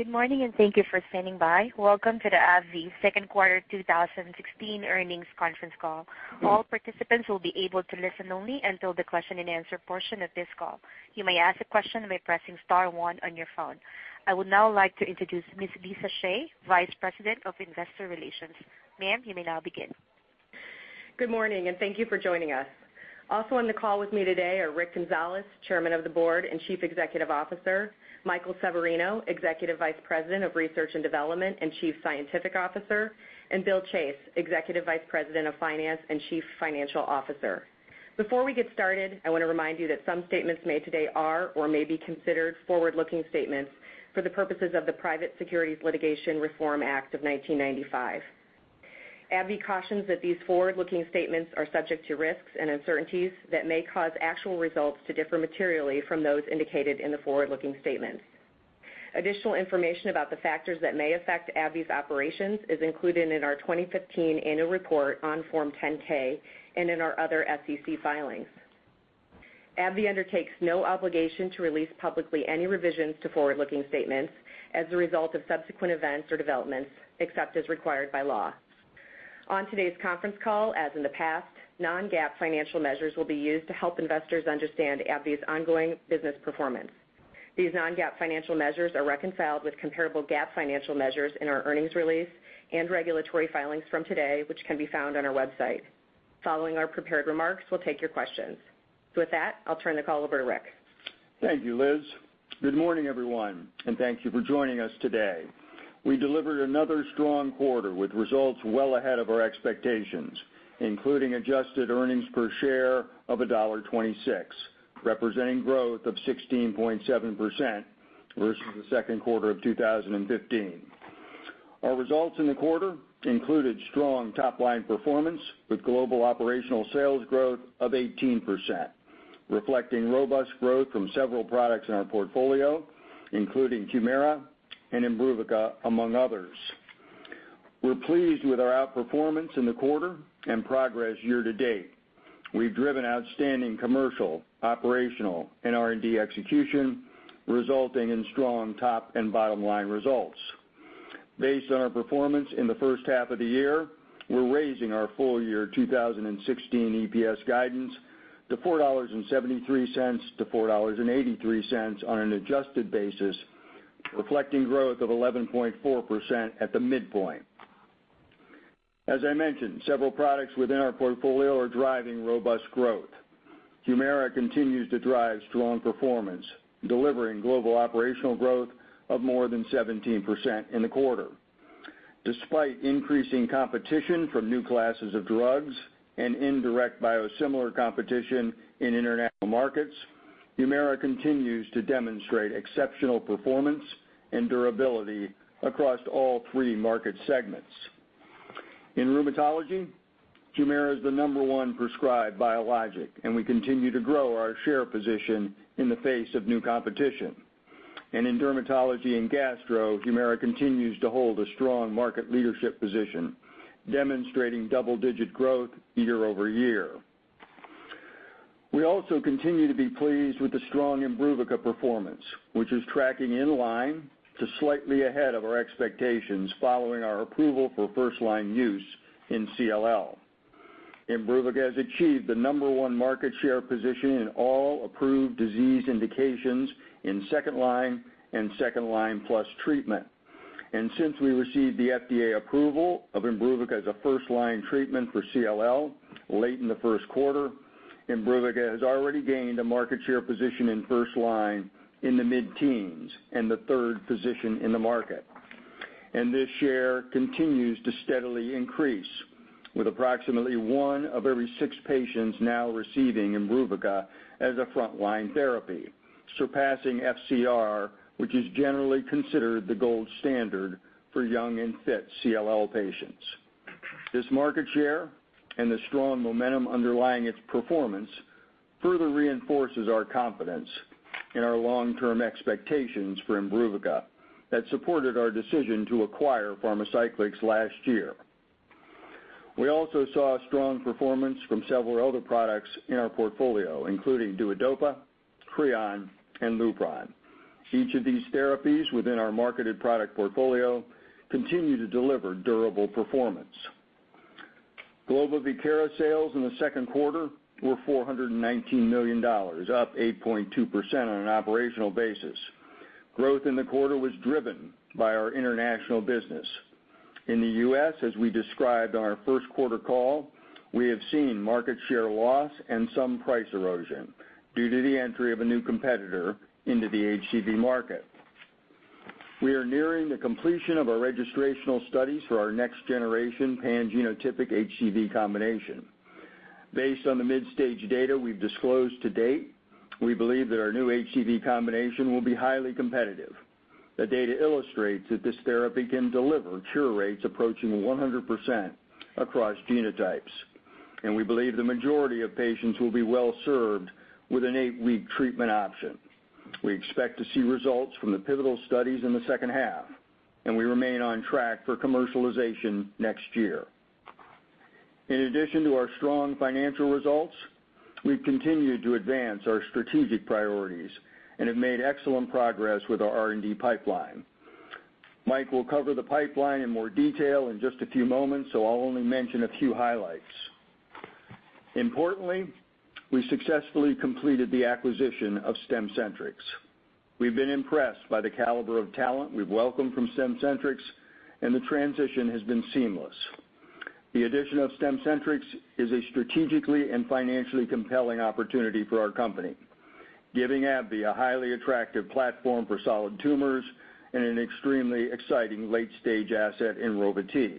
Good morning, and thank you for standing by. Welcome to the AbbVie Second Quarter 2016 Earnings Conference Call. All participants will be able to listen only until the question and answer portion of this call. You may ask a question by pressing star one on your phone. I would now like to introduce Ms. Liz Shea, Vice President of Investor Relations. Ma'am, you may now begin. Good morning, and thank you for joining us. Also on the call with me today are Rick Gonzalez, Chairman of the Board and Chief Executive Officer, Michael Severino, Executive Vice President of Research and Development and Chief Scientific Officer, and Bill Chase, Executive Vice President of Finance and Chief Financial Officer. Before we get started, I want to remind you that some statements made today are or may be considered forward-looking statements for the purposes of the Private Securities Litigation Reform Act of 1995. AbbVie cautions that these forward-looking statements are subject to risks and uncertainties that may cause actual results to differ materially from those indicated in the forward-looking statements. Additional information about the factors that may affect AbbVie's operations is included in our 2015 annual report on Form 10-K and in our other SEC filings. AbbVie undertakes no obligation to release publicly any revisions to forward-looking statements as a result of subsequent events or developments, except as required by law. On today's conference call, as in the past, non-GAAP financial measures will be used to help investors understand AbbVie's ongoing business performance. These non-GAAP financial measures are reconciled with comparable GAAP financial measures in our earnings release and regulatory filings from today, which can be found on our website. Following our prepared remarks, we'll take your questions. With that, I'll turn the call over to Rick. Thank you, Liz. Good morning, everyone, and thank you for joining us today. We delivered another strong quarter with results well ahead of our expectations, including adjusted earnings per share of $1.26, representing growth of 16.7% versus the second quarter of 2015. Our results in the quarter included strong top-line performance with global operational sales growth of 18%, reflecting robust growth from several products in our portfolio, including HUMIRA and IMBRUVICA, among others. We're pleased with our outperformance in the quarter and progress year-to-date. We've driven outstanding commercial, operational, and R&D execution, resulting in strong top and bottom-line results. Based on our performance in the first half of the year, we're raising our full year 2016 EPS guidance to $4.73-$4.83 on an adjusted basis, reflecting growth of 11.4% at the midpoint. As I mentioned, several products within our portfolio are driving robust growth. HUMIRA continues to drive strong performance, delivering global operational growth of more than 17% in the quarter. Despite increasing competition from new classes of drugs and indirect biosimilar competition in international markets, HUMIRA continues to demonstrate exceptional performance and durability across all three market segments. In rheumatology, HUMIRA is the number one prescribed biologic, and we continue to grow our share position in the face of new competition. In dermatology and gastro, HUMIRA continues to hold a strong market leadership position, demonstrating double-digit growth year-over-year. We also continue to be pleased with the strong IMBRUVICA performance, which is tracking in line to slightly ahead of our expectations following our approval for first-line use in CLL. IMBRUVICA has achieved the number one market share position in all approved disease indications in second-line and second-line plus treatment. Since we received the FDA approval of IMBRUVICA as a first-line treatment for CLL late in the first quarter, IMBRUVICA has already gained a market share position in first-line in the mid-teens and the third position in the market. This share continues to steadily increase with approximately one of every six patients now receiving IMBRUVICA as a front-line therapy, surpassing FCR, which is generally considered the gold standard for young and fit CLL patients. This market share and the strong momentum underlying its performance further reinforces our confidence in our long-term expectations for IMBRUVICA that supported our decision to acquire Pharmacyclics last year. We also saw strong performance from several other products in our portfolio, including DUODOPA, CREON, and Lupron. Each of these therapies within our marketed product portfolio continue to deliver durable performance. Global VIEKIRA sales in the second quarter were $419 million, up 8.2% on an operational basis. Growth in the quarter was driven by our international business. In the U.S., as we described on our first quarter call, we have seen market share loss and some price erosion due to the entry of a new competitor into the HCV market. We are nearing the completion of our registrational studies for our next-generation pan-genotypic HCV combination. Based on the mid-stage data we've disclosed to date, we believe that our new HCV combination will be highly competitive. The data illustrates that this therapy can deliver cure rates approaching 100% across genotypes. We believe the majority of patients will be well served with an eight-week treatment option. We expect to see results from the pivotal studies in the second half. We remain on track for commercialization next year. In addition to our strong financial results, we've continued to advance our strategic priorities and have made excellent progress with our R&D pipeline. Mike will cover the pipeline in more detail in just a few moments. I'll only mention a few highlights. Importantly, we successfully completed the acquisition of Stemcentrx. We've been impressed by the caliber of talent we've welcomed from Stemcentrx, and the transition has been seamless. The addition of Stemcentrx is a strategically and financially compelling opportunity for our company, giving AbbVie a highly attractive platform for solid tumors and an extremely exciting late-stage asset in Rova-T.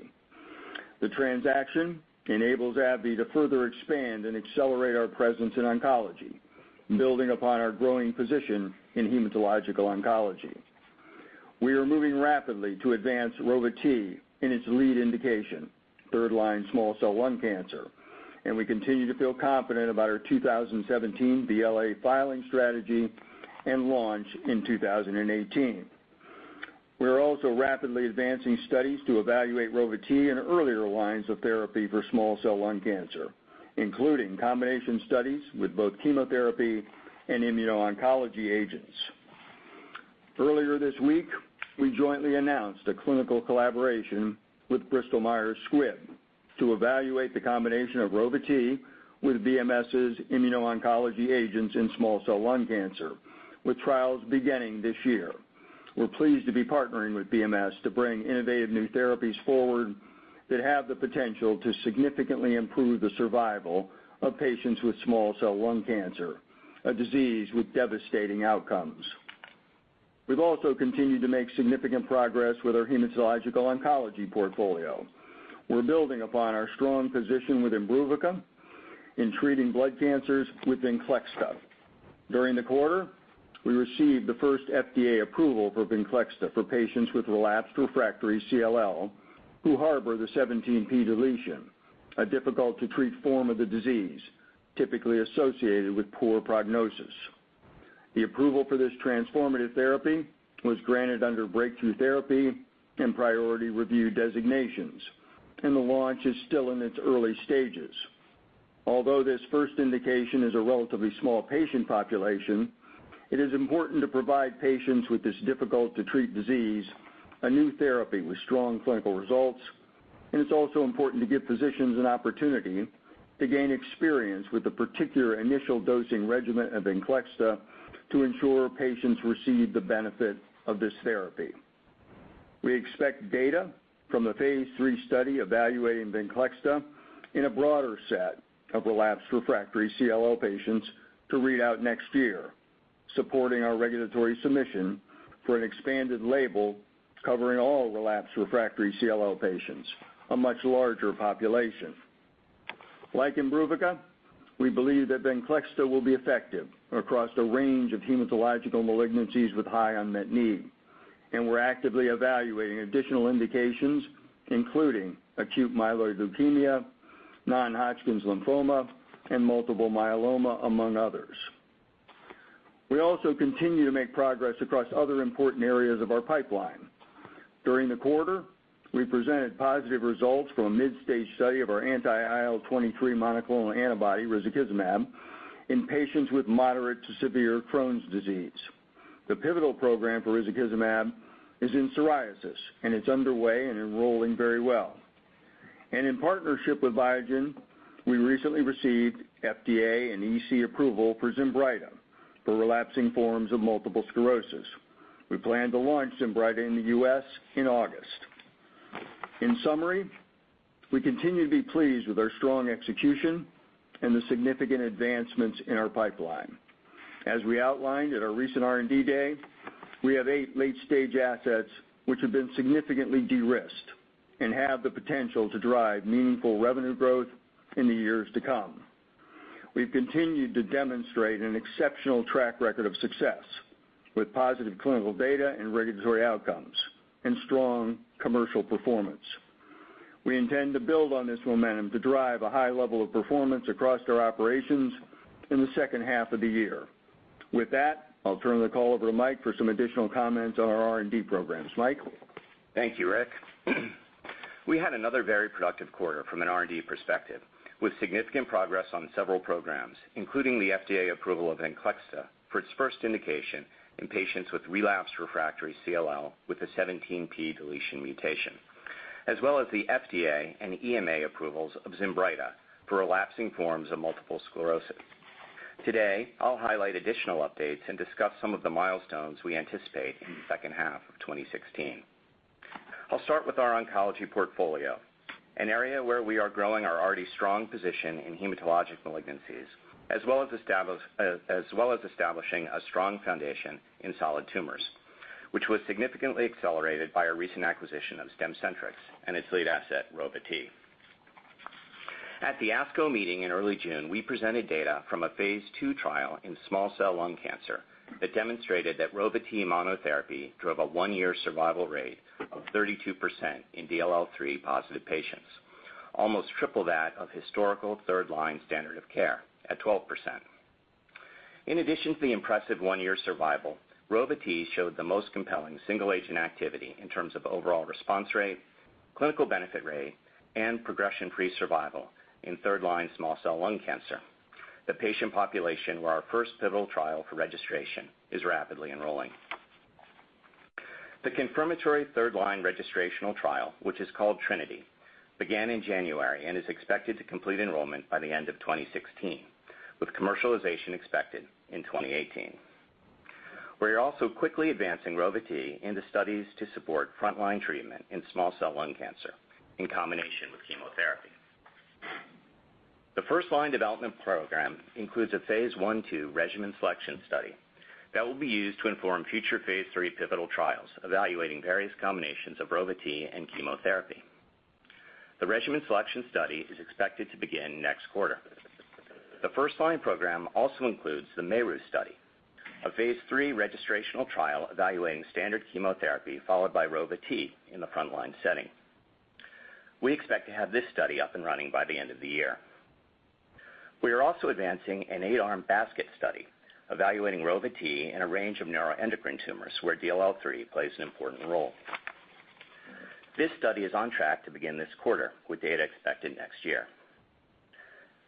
The transaction enables AbbVie to further expand and accelerate our presence in oncology, building upon our growing position in hematological oncology. We are moving rapidly to advance Rova-T in its lead indication, third-line small cell lung cancer, and we continue to feel confident about our 2017 BLA filing strategy and launch in 2018. We are also rapidly advancing studies to evaluate Rova-T in earlier lines of therapy for small cell lung cancer, including combination studies with both chemotherapy and immuno-oncology agents. Earlier this week, we jointly announced a clinical collaboration with Bristol-Myers Squibb to evaluate the combination of Rova-T with BMS's immuno-oncology agents in small cell lung cancer, with trials beginning this year. We're pleased to be partnering with BMS to bring innovative new therapies forward that have the potential to significantly improve the survival of patients with small cell lung cancer, a disease with devastating outcomes. We've also continued to make significant progress with our hematological oncology portfolio. We're building upon our strong position with IMBRUVICA in treating blood cancers with VENCLEXTA. During the quarter, we received the first FDA approval for VENCLEXTA for patients with relapsed refractory CLL who harbor the 17p deletion, a difficult-to-treat form of the disease, typically associated with poor prognosis. The approval for this transformative therapy was granted under breakthrough therapy and priority review designations, the launch is still in its early stages. Although this first indication is a relatively small patient population, it is important to provide patients with this difficult-to-treat disease a new therapy with strong clinical results. It's also important to give physicians an opportunity to gain experience with the particular initial dosing regimen of VENCLEXTA to ensure patients receive the benefit of this therapy. We expect data from the phase III study evaluating VENCLEXTA in a broader set of relapsed refractory CLL patients to read out next year, supporting our regulatory submission for an expanded label covering all relapsed refractory CLL patients, a much larger population. Like IMBRUVICA, we believe that VENCLEXTA will be effective across a range of hematological malignancies with high unmet need, and we're actively evaluating additional indications, including acute myeloid leukemia, non-Hodgkin's lymphoma, and multiple myeloma, among others. We also continue to make progress across other important areas of our pipeline. During the quarter, we presented positive results from a mid-stage study of our anti-IL-23 monoclonal antibody, risankizumab, in patients with moderate to severe Crohn's disease. The pivotal program for risankizumab is in psoriasis and is underway and enrolling very well. In partnership with Biogen, we recently received FDA and EC approval for ZINBRYTA for relapsing forms of multiple sclerosis. We plan to launch ZINBRYTA in the U.S. in August. In summary, we continue to be pleased with our strong execution and the significant advancements in our pipeline. As we outlined at our recent R&D day, we have eight late-stage assets which have been significantly de-risked and have the potential to drive meaningful revenue growth in the years to come. We've continued to demonstrate an exceptional track record of success with positive clinical data and regulatory outcomes and strong commercial performance. We intend to build on this momentum to drive a high level of performance across our operations in the second half of the year. With that, I'll turn the call over to Mike for some additional comments on our R&D programs. Mike? Thank you, Rick. We had another very productive quarter from an R&D perspective, with significant progress on several programs, including the FDA approval of VENCLEXTA for its first indication in patients with relapsed refractory CLL with a 17p deletion mutation, as well as the FDA and EMA approvals of ZINBRYTA for relapsing forms of multiple sclerosis. Today, I'll highlight additional updates and discuss some of the milestones we anticipate in the second half of 2016. I'll start with our oncology portfolio, an area where we are growing our already strong position in hematologic malignancies, as well as establishing a strong foundation in solid tumors, which was significantly accelerated by our recent acquisition of Stemcentrx and its lead asset, Rova-T. At the ASCO meeting in early June, we presented data from a phase II trial in small cell lung cancer that demonstrated that Rova-T monotherapy drove a one-year survival rate of 32% in DLL3-positive patients, almost triple that of historical third-line standard of care at 12%. In addition to the impressive one-year survival, Rova-T showed the most compelling single-agent activity in terms of overall response rate, clinical benefit rate, and progression-free survival in third-line small cell lung cancer. The patient population where our first pivotal trial for registration is rapidly enrolling, the confirmatory third-line registrational trial, which is called TRINITY, began in January and is expected to complete enrollment by the end of 2016, with commercialization expected in 2018. We are also quickly advancing Rova-T into studies to support front-line treatment in small cell lung cancer in combination with chemotherapy. The first-line development program includes a phase I/II regimen selection study that will be used to inform future phase III pivotal trials evaluating various combinations of Rova-T and chemotherapy. The regimen selection study is expected to begin next quarter. The first-line program also includes the MERU study, a phase III registrational trial evaluating standard chemotherapy followed by Rova-T in the front-line setting. We expect to have this study up and running by the end of the year. We are also advancing an eight-arm basket study evaluating Rova-T in a range of neuroendocrine tumors where DLL3 plays an important role. This study is on track to begin this quarter with data expected next year.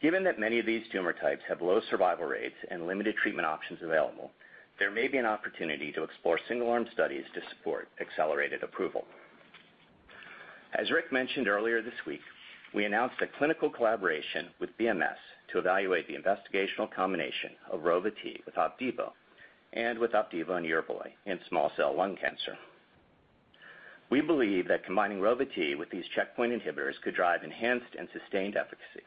Given that many of these tumor types have low survival rates and limited treatment options available, there may be an opportunity to explore single-arm studies to support accelerated approval. As Rick mentioned earlier this week, we announced a clinical collaboration with BMS to evaluate the investigational combination of Rova-T with Opdivo and with Opdivo and YERVOY in small cell lung cancer. We believe that combining Rova-T with these checkpoint inhibitors could drive enhanced and sustained efficacy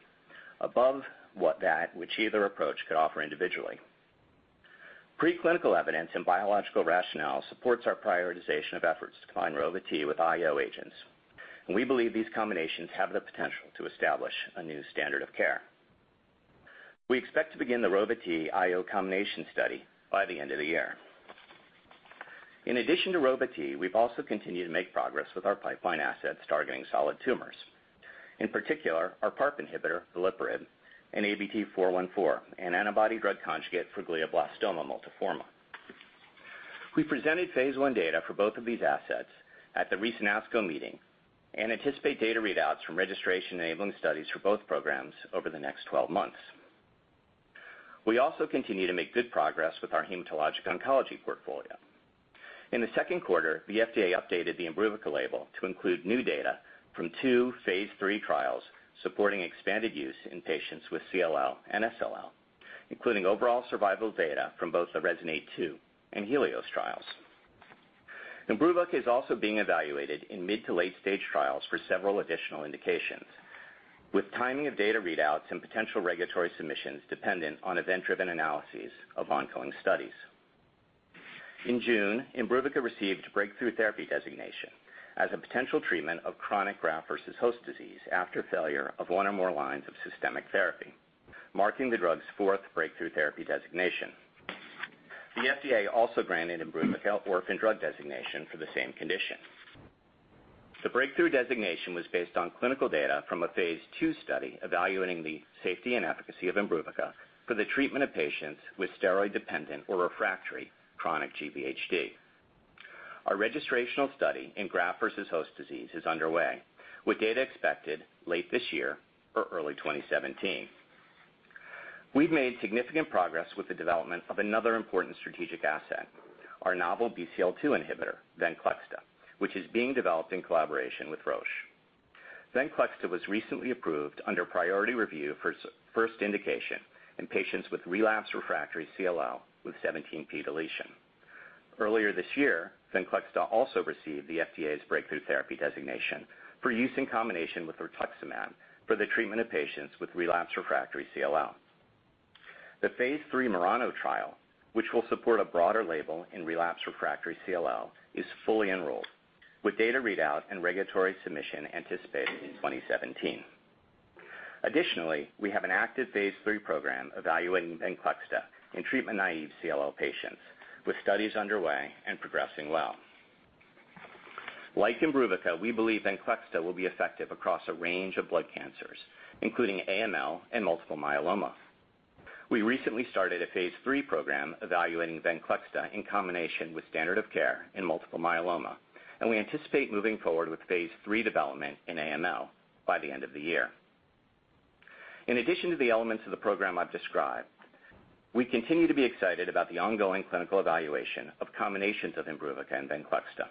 above what that which either approach could offer individually. Preclinical evidence and biological rationale supports our prioritization of efforts to combine Rova-T with IO agents, and we believe these combinations have the potential to establish a new standard of care. We expect to begin the Rova-T IO combination study by the end of the year. In addition to Rova-T, we've also continued to make progress with our pipeline assets targeting solid tumors, in particular our PARP inhibitor, veliparib, and ABT-414, an antibody drug conjugate for glioblastoma multiforme. We presented phase I data for both of these assets at the recent ASCO meeting and anticipate data readouts from registration-enabling studies for both programs over the next 12 months. We also continue to make good progress with our hematologic oncology portfolio. In the second quarter, the FDA updated the IMBRUVICA label to include new data from two phase III trials supporting expanded use in patients with CLL and SLL, including overall survival data from both the RESONATE-2 and HELIOS trials. IMBRUVICA is also being evaluated in mid to late-stage trials for several additional indications, with timing of data readouts and potential regulatory submissions dependent on event-driven analyses of ongoing studies. In June, IMBRUVICA received breakthrough therapy designation as a potential treatment of chronic graft versus host disease after failure of one or more lines of systemic therapy, marking the drug's fourth breakthrough therapy designation. The FDA also granted IMBRUVICA orphan drug designation for the same condition. The breakthrough designation was based on clinical data from a phase II study evaluating the safety and efficacy of IMBRUVICA for the treatment of patients with steroid-dependent or refractory chronic GVHD. Our registrational study in graft versus host disease is underway, with data expected late this year or early 2017. We've made significant progress with the development of another important strategic asset, our novel BCL-2 inhibitor, VENCLEXTA, which is being developed in collaboration with Roche. VENCLEXTA was recently approved under priority review for first indication in patients with relapsed/refractory CLL with 17p deletion. Earlier this year, VENCLEXTA also received the FDA's breakthrough therapy designation for use in combination with rituximab for the treatment of patients with relapsed/refractory CLL. The phase III MURANO trial, which will support a broader label in relapsed/refractory CLL, is fully enrolled with data readout and regulatory submission anticipated in 2017. Additionally, we have an active phase III program evaluating VENCLEXTA in treatment-naïve CLL patients with studies underway and progressing well. Like IMBRUVICA, we believe VENCLEXTA will be effective across a range of blood cancers, including AML and multiple myeloma. We recently started a phase III program evaluating VENCLEXTA in combination with standard of care in multiple myeloma, and we anticipate moving forward with phase III development in AML by the end of the year. In addition to the elements of the program I've described, we continue to be excited about the ongoing clinical evaluation of combinations of IMBRUVICA and VENCLEXTA,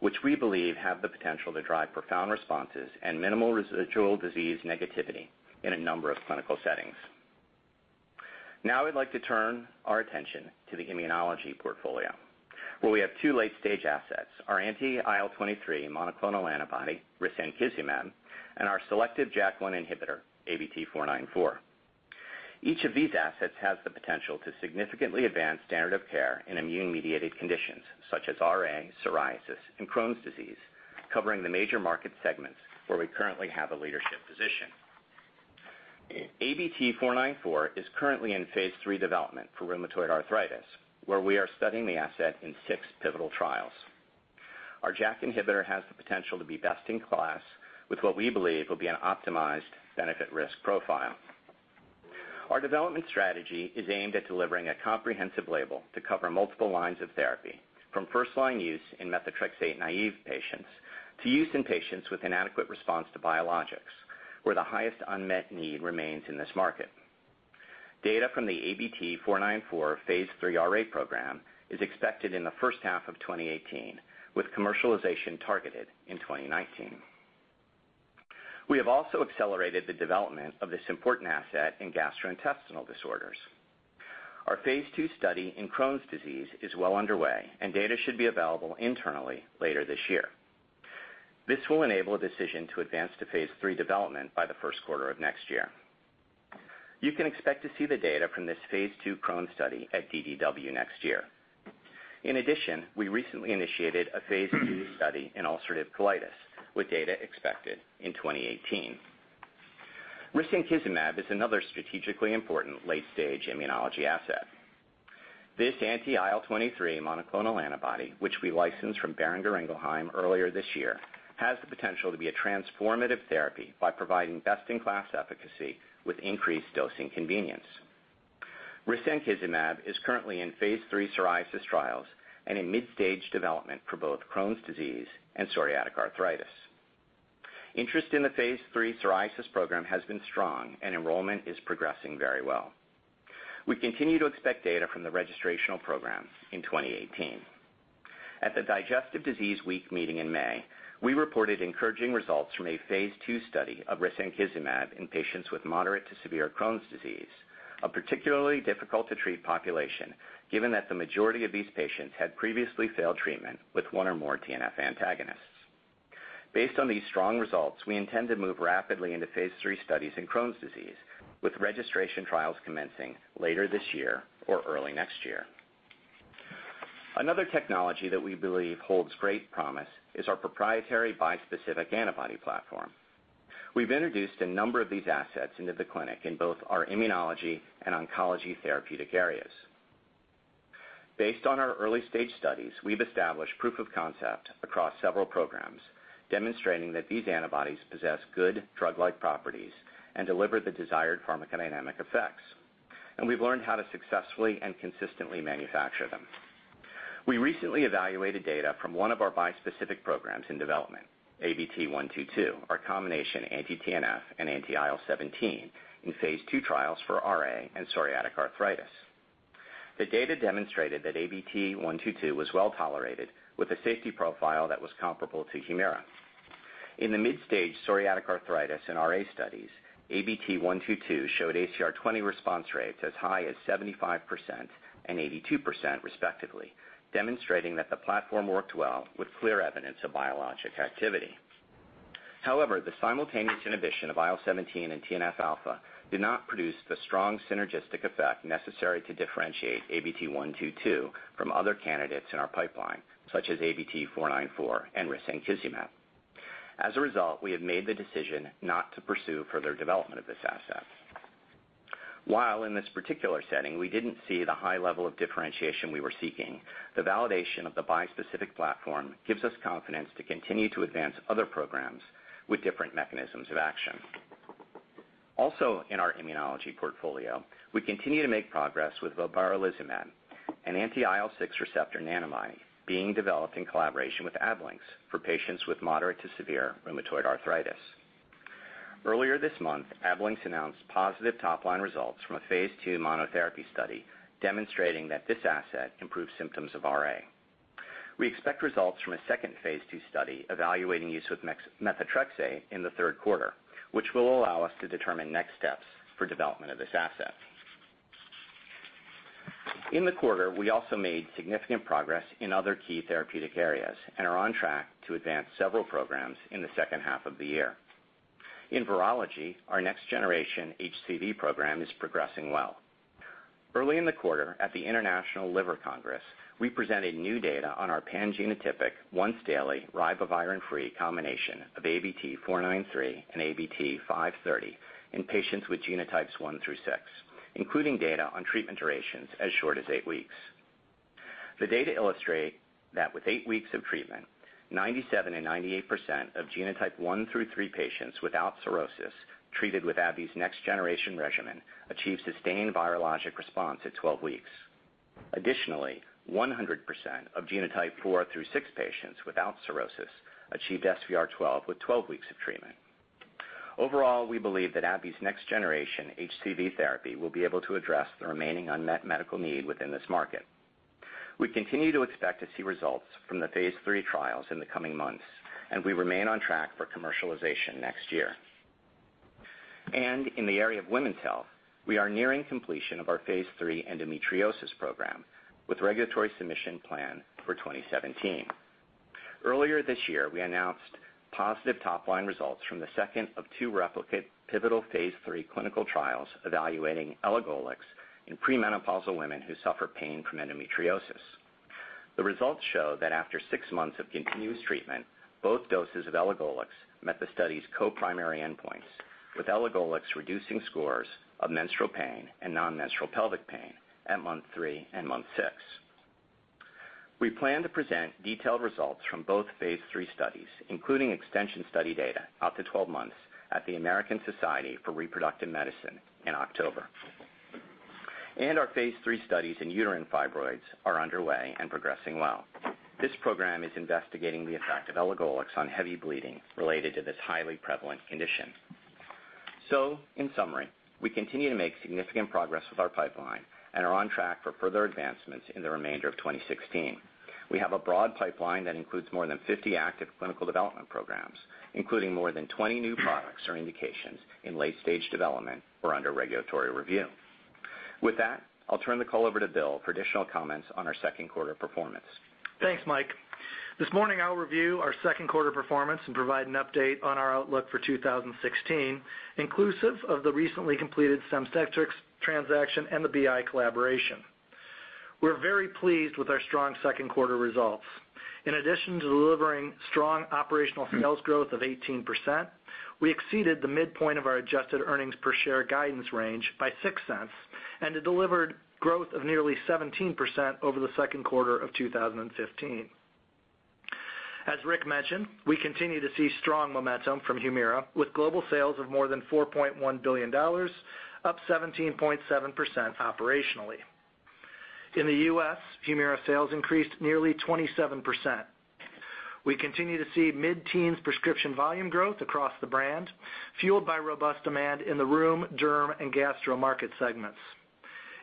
which we believe have the potential to drive profound responses and minimal residual disease negativity in a number of clinical settings. I'd like to turn our attention to the immunology portfolio, where we have two late-stage assets, our anti-IL-23 monoclonal antibody, risankizumab, and our selective JAK1 inhibitor, ABT-494. Each of these assets has the potential to significantly advance standard of care in immune-mediated conditions such as RA, psoriasis, and Crohn's disease, covering the major market segments where we currently have a leadership position. ABT-494 is currently in phase III development for rheumatoid arthritis, where we are studying the asset in six pivotal trials. Our JAK inhibitor has the potential to be best in class with what we believe will be an optimized benefit risk profile. Our development strategy is aimed at delivering a comprehensive label to cover multiple lines of therapy, from first-line use in methotrexate naive patients, to use in patients with inadequate response to biologics, where the highest unmet need remains in this market. Data from the ABT-494 phase III RA program is expected in the first half of 2018, with commercialization targeted in 2019. We have also accelerated the development of this important asset in gastrointestinal disorders. Our phase II study in Crohn's disease is well underway, and data should be available internally later this year. This will enable a decision to advance to phase III development by the first quarter of next year. You can expect to see the data from this phase II Crohn's study at DDW next year. In addition, we recently initiated a phase II study in ulcerative colitis, with data expected in 2018. risankizumab is another strategically important late-stage immunology asset. This anti-IL-23 monoclonal antibody, which we licensed from Boehringer Ingelheim earlier this year, has the potential to be a transformative therapy by providing best-in-class efficacy with increased dosing convenience. risankizumab is currently in phase III psoriasis trials and in mid-stage development for both Crohn's disease and psoriatic arthritis. Interest in the phase III psoriasis program has been strong, and enrollment is progressing very well. We continue to expect data from the registrational program in 2018. At the Digestive Disease Week meeting in May, we reported encouraging results from a phase II study of risankizumab in patients with moderate to severe Crohn's disease, a particularly difficult-to-treat population, given that the majority of these patients had previously failed treatment with one or more TNF antagonists. Based on these strong results, we intend to move rapidly into phase III studies in Crohn's disease, with registration trials commencing later this year or early next year. Another technology that we believe holds great promise is our proprietary bispecific antibody platform. We've introduced a number of these assets into the clinic in both our immunology and oncology therapeutic areas. Based on our early-stage studies, we've established proof of concept across several programs, demonstrating that these antibodies possess good drug-like properties and deliver the desired pharmacodynamic effects. We've learned how to successfully and consistently manufacture them. We recently evaluated data from one of our bispecific programs in development, ABT-122, our combination anti-TNF and anti-IL-17 in phase II trials for RA and psoriatic arthritis. The data demonstrated that ABT-122 was well-tolerated with a safety profile that was comparable to HUMIRA. In the mid-stage psoriatic arthritis and RA studies, ABT-122 showed ACR20 response rates as high as 75% and 82% respectively, demonstrating that the platform worked well with clear evidence of biologic activity. However, the simultaneous inhibition of IL-17 and TNF alpha did not produce the strong synergistic effect necessary to differentiate ABT-122 from other candidates in our pipeline, such as ABT-494 and risankizumab. As a result, we have made the decision not to pursue further development of this asset. While in this particular setting we didn't see the high level of differentiation we were seeking, the validation of the bispecific platform gives us confidence to continue to advance other programs with different mechanisms of action. Also in our immunology portfolio, we continue to make progress with vobarilizumab, an anti-IL-6 receptor nanobody being developed in collaboration with Ablynx for patients with moderate to severe rheumatoid arthritis. Earlier this month, Ablynx announced positive top-line results from a phase II monotherapy study demonstrating that this asset improves symptoms of RA. We expect results from a second phase II study evaluating use with methotrexate in the third quarter, which will allow us to determine next steps for development of this asset. In the quarter, we also made significant progress in other key therapeutic areas and are on track to advance several programs in the second half of the year. In virology, our next-generation HCV program is progressing well. Early in the quarter at the International Liver Congress, we presented new data on our pan-genotypic, once-daily, ribavirin-free combination of ABT-493 and ABT-530 in patients with genotypes 1 through 6, including data on treatment durations as short as eight weeks. The data illustrate that with eight weeks of treatment, 97% and 98% of genotype 1 through 3 patients without cirrhosis treated with AbbVie's next generation regimen achieved sustained virologic response at 12 weeks. 100% of genotype 4 through 6 patients without cirrhosis achieved SVR12 with 12 weeks of treatment. Overall, we believe that AbbVie's next generation HCV therapy will be able to address the remaining unmet medical need within this market. We continue to expect to see results from the phase III trials in the coming months, and we remain on track for commercialization next year. In the area of women's health, we are nearing completion of our phase III endometriosis program, with regulatory submission planned for 2017. Earlier this year, we announced positive top-line results from the second of two replicate pivotal phase III clinical trials evaluating elagolix in premenopausal women who suffer pain from endometriosis. The results show that after six months of continuous treatment, both doses of elagolix met the study's co-primary endpoints, with elagolix reducing scores of menstrual pain and non-menstrual pelvic pain at month three and month six. We plan to present detailed results from both phase III studies, including extension study data out to 12 months at the American Society for Reproductive Medicine in October. Our phase III studies in uterine fibroids are underway and progressing well. This program is investigating the effect of elagolix on heavy bleeding related to this highly prevalent condition. In summary, we continue to make significant progress with our pipeline and are on track for further advancements in the remainder of 2016. We have a broad pipeline that includes more than 50 active clinical development programs, including more than 20 new products or indications in late-stage development or under regulatory review. With that, I'll turn the call over to Bill for additional comments on our second quarter performance. Thanks, Mike. This morning, I'll review our second quarter performance and provide an update on our outlook for 2016, inclusive of the recently completed Stemcentrx transaction and the BI collaboration. We're very pleased with our strong second quarter results. In addition to delivering strong operational sales growth of 18%, we exceeded the midpoint of our adjusted earnings per share guidance range by $0.06, and it delivered growth of nearly 17% over the second quarter of 2015. As Rick mentioned, we continue to see strong momentum from HUMIRA with global sales of more than $4.1 billion, up 17.7% operationally. In the U.S., HUMIRA sales increased nearly 27%. We continue to see mid-teens prescription volume growth across the brand, fueled by robust demand in the rheum, derm, and gastro market segments.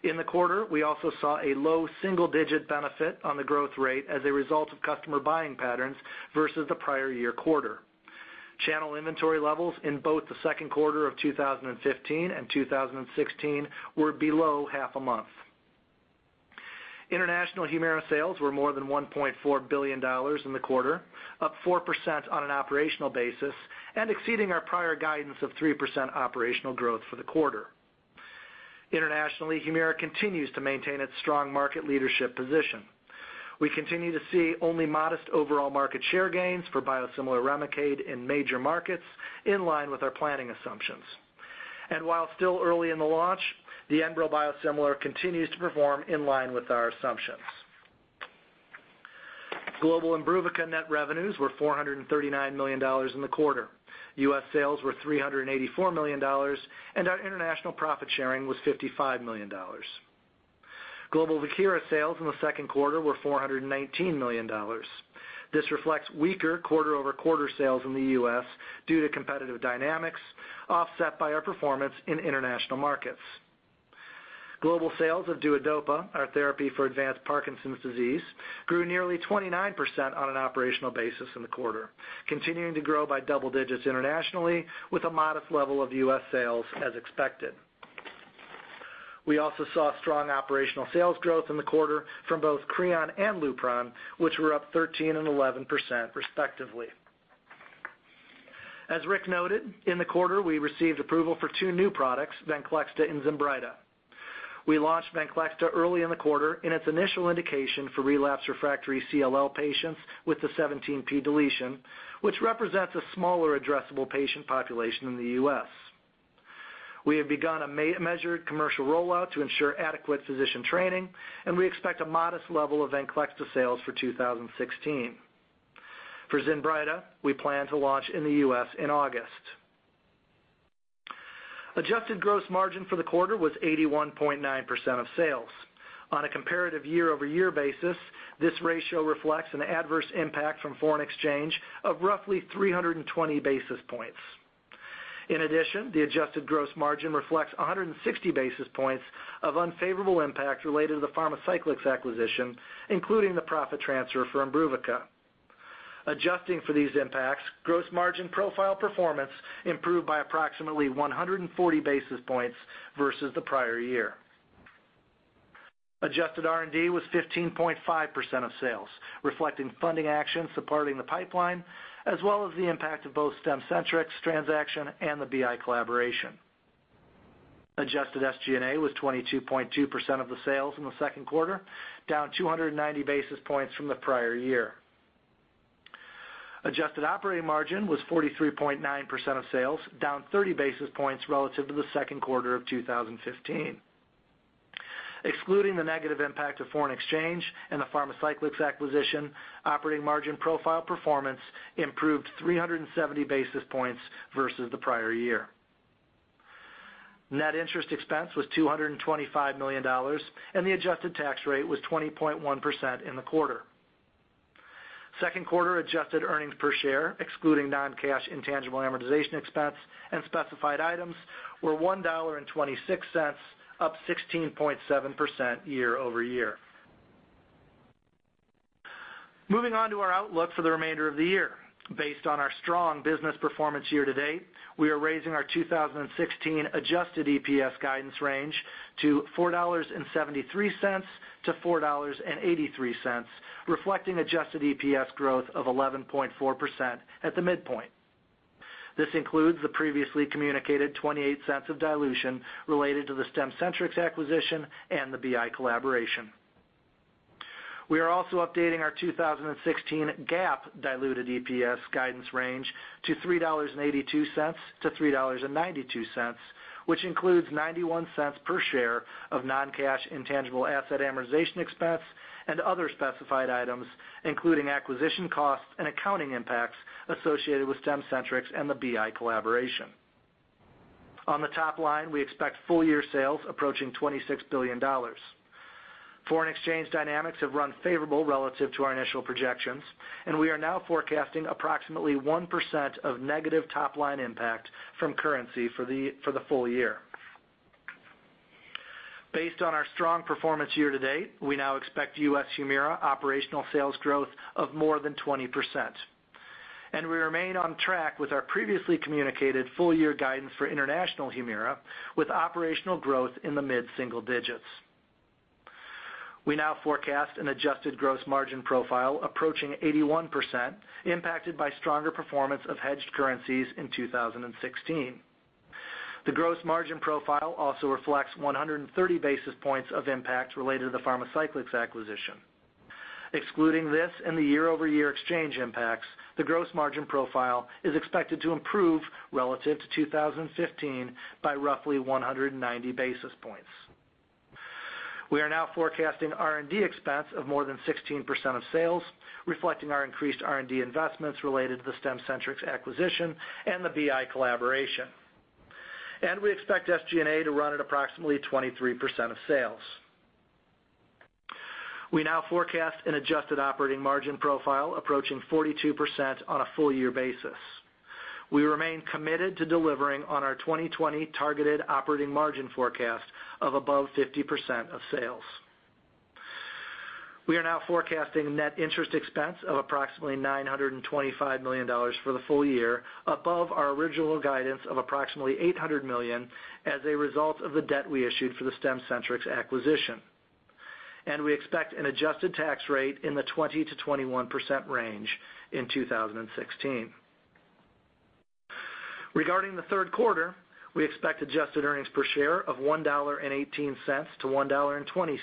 In the quarter, we also saw a low single-digit benefit on the growth rate as a result of customer buying patterns versus the prior year quarter. Channel inventory levels in both the second quarter of 2015 and 2016 were below half a month. International HUMIRA sales were more than $1.4 billion in the quarter, up 4% on an operational basis and exceeding our prior guidance of 3% operational growth for the quarter. Internationally, HUMIRA continues to maintain its strong market leadership position. We continue to see only modest overall market share gains for biosimilar REMICADE in major markets, in line with our planning assumptions. While still early in the launch, the Enbrel biosimilar continues to perform in line with our assumptions. Global IMBRUVICA net revenues were $439 million in the quarter. U.S. sales were $384 million, and our international profit sharing was $55 million. Global VIEKIRA sales in the second quarter were $419 million. This reflects weaker quarter-over-quarter sales in the U.S. due to competitive dynamics, offset by our performance in international markets. Global sales of DUODOPA, our therapy for advanced Parkinson's disease, grew nearly 29% on an operational basis in the quarter, continuing to grow by double digits internationally with a modest level of U.S. sales as expected. We also saw strong operational sales growth in the quarter from both CREON and Lupron, which were up 13% and 11%, respectively. As Rick noted, in the quarter, we received approval for two new products, VENCLEXTA and ZINBRYTA. We launched VENCLEXTA early in the quarter in its initial indication for relapse refractory CLL patients with the 17p deletion, which represents a smaller addressable patient population in the U.S. We have begun a measured commercial rollout to ensure adequate physician training. We expect a modest level of VENCLEXTA sales for 2016. For ZINBRYTA, we plan to launch in the U.S. in August. Adjusted gross margin for the quarter was 81.9% of sales. On a comparative year-over-year basis, this ratio reflects an adverse impact from foreign exchange of roughly 320 basis points. In addition, the adjusted gross margin reflects 160 basis points of unfavorable impact related to the Pharmacyclics acquisition, including the profit transfer for IMBRUVICA. Adjusting for these impacts, gross margin profile performance improved by approximately 140 basis points versus the prior year. Adjusted R&D was 15.5% of sales, reflecting funding actions supporting the pipeline, as well as the impact of both Stemcentrx transaction and the BI collaboration. Adjusted SG&A was 22.2% of the sales in the second quarter, down 290 basis points from the prior year. Adjusted operating margin was 43.9% of sales, down 30 basis points relative to the second quarter of 2015. Excluding the negative impact of foreign exchange and the Pharmacyclics acquisition, operating margin profile performance improved 370 basis points versus the prior year. Net interest expense was $225 million, and the adjusted tax rate was 20.1% in the quarter. Second quarter adjusted earnings per share, excluding non-cash intangible amortization expense and specified items, were $1.26, up 16.7% year-over-year. Moving on to our outlook for the remainder of the year. Based on our strong business performance year to date, we are raising our 2016 adjusted EPS guidance range to $4.73-$4.83, reflecting adjusted EPS growth of 11.4% at the midpoint. This includes the previously communicated $0.28 of dilution related to the Stemcentrx acquisition and the BI collaboration. We are also updating our 2016 GAAP diluted EPS guidance range to $3.82-$3.92, which includes $0.91 per share of non-cash intangible asset amortization expense and other specified items, including acquisition costs and accounting impacts associated with Stemcentrx and the BI collaboration. On the top line, we expect full-year sales approaching $26 billion. Foreign exchange dynamics have run favorable relative to our initial projections, and we are now forecasting approximately 1% of negative top-line impact from currency for the full year. Based on our strong performance year to date, we now expect U.S. HUMIRA operational sales growth of more than 20%. We remain on track with our previously communicated full-year guidance for international HUMIRA, with operational growth in the mid-single digits. We now forecast an adjusted gross margin profile approaching 81%, impacted by stronger performance of hedged currencies in 2016. The gross margin profile also reflects 130 basis points of impact related to the Pharmacyclics acquisition. Excluding this and the year-over-year exchange impacts, the gross margin profile is expected to improve relative to 2015 by roughly 190 basis points. We are now forecasting R&D expense of more than 16% of sales, reflecting our increased R&D investments related to the Stemcentrx acquisition and the BI collaboration. We expect SG&A to run at approximately 23% of sales. We now forecast an adjusted operating margin profile approaching 42% on a full-year basis. We remain committed to delivering on our 2020 targeted operating margin forecast of above 50% of sales. We are now forecasting net interest expense of approximately $925 million for the full year, above our original guidance of approximately $800 million as a result of the debt we issued for the Stemcentrx acquisition. We expect an adjusted tax rate in the 20%-21% range in 2016. Regarding the third quarter, we expect adjusted earnings per share of $1.18-$1.20.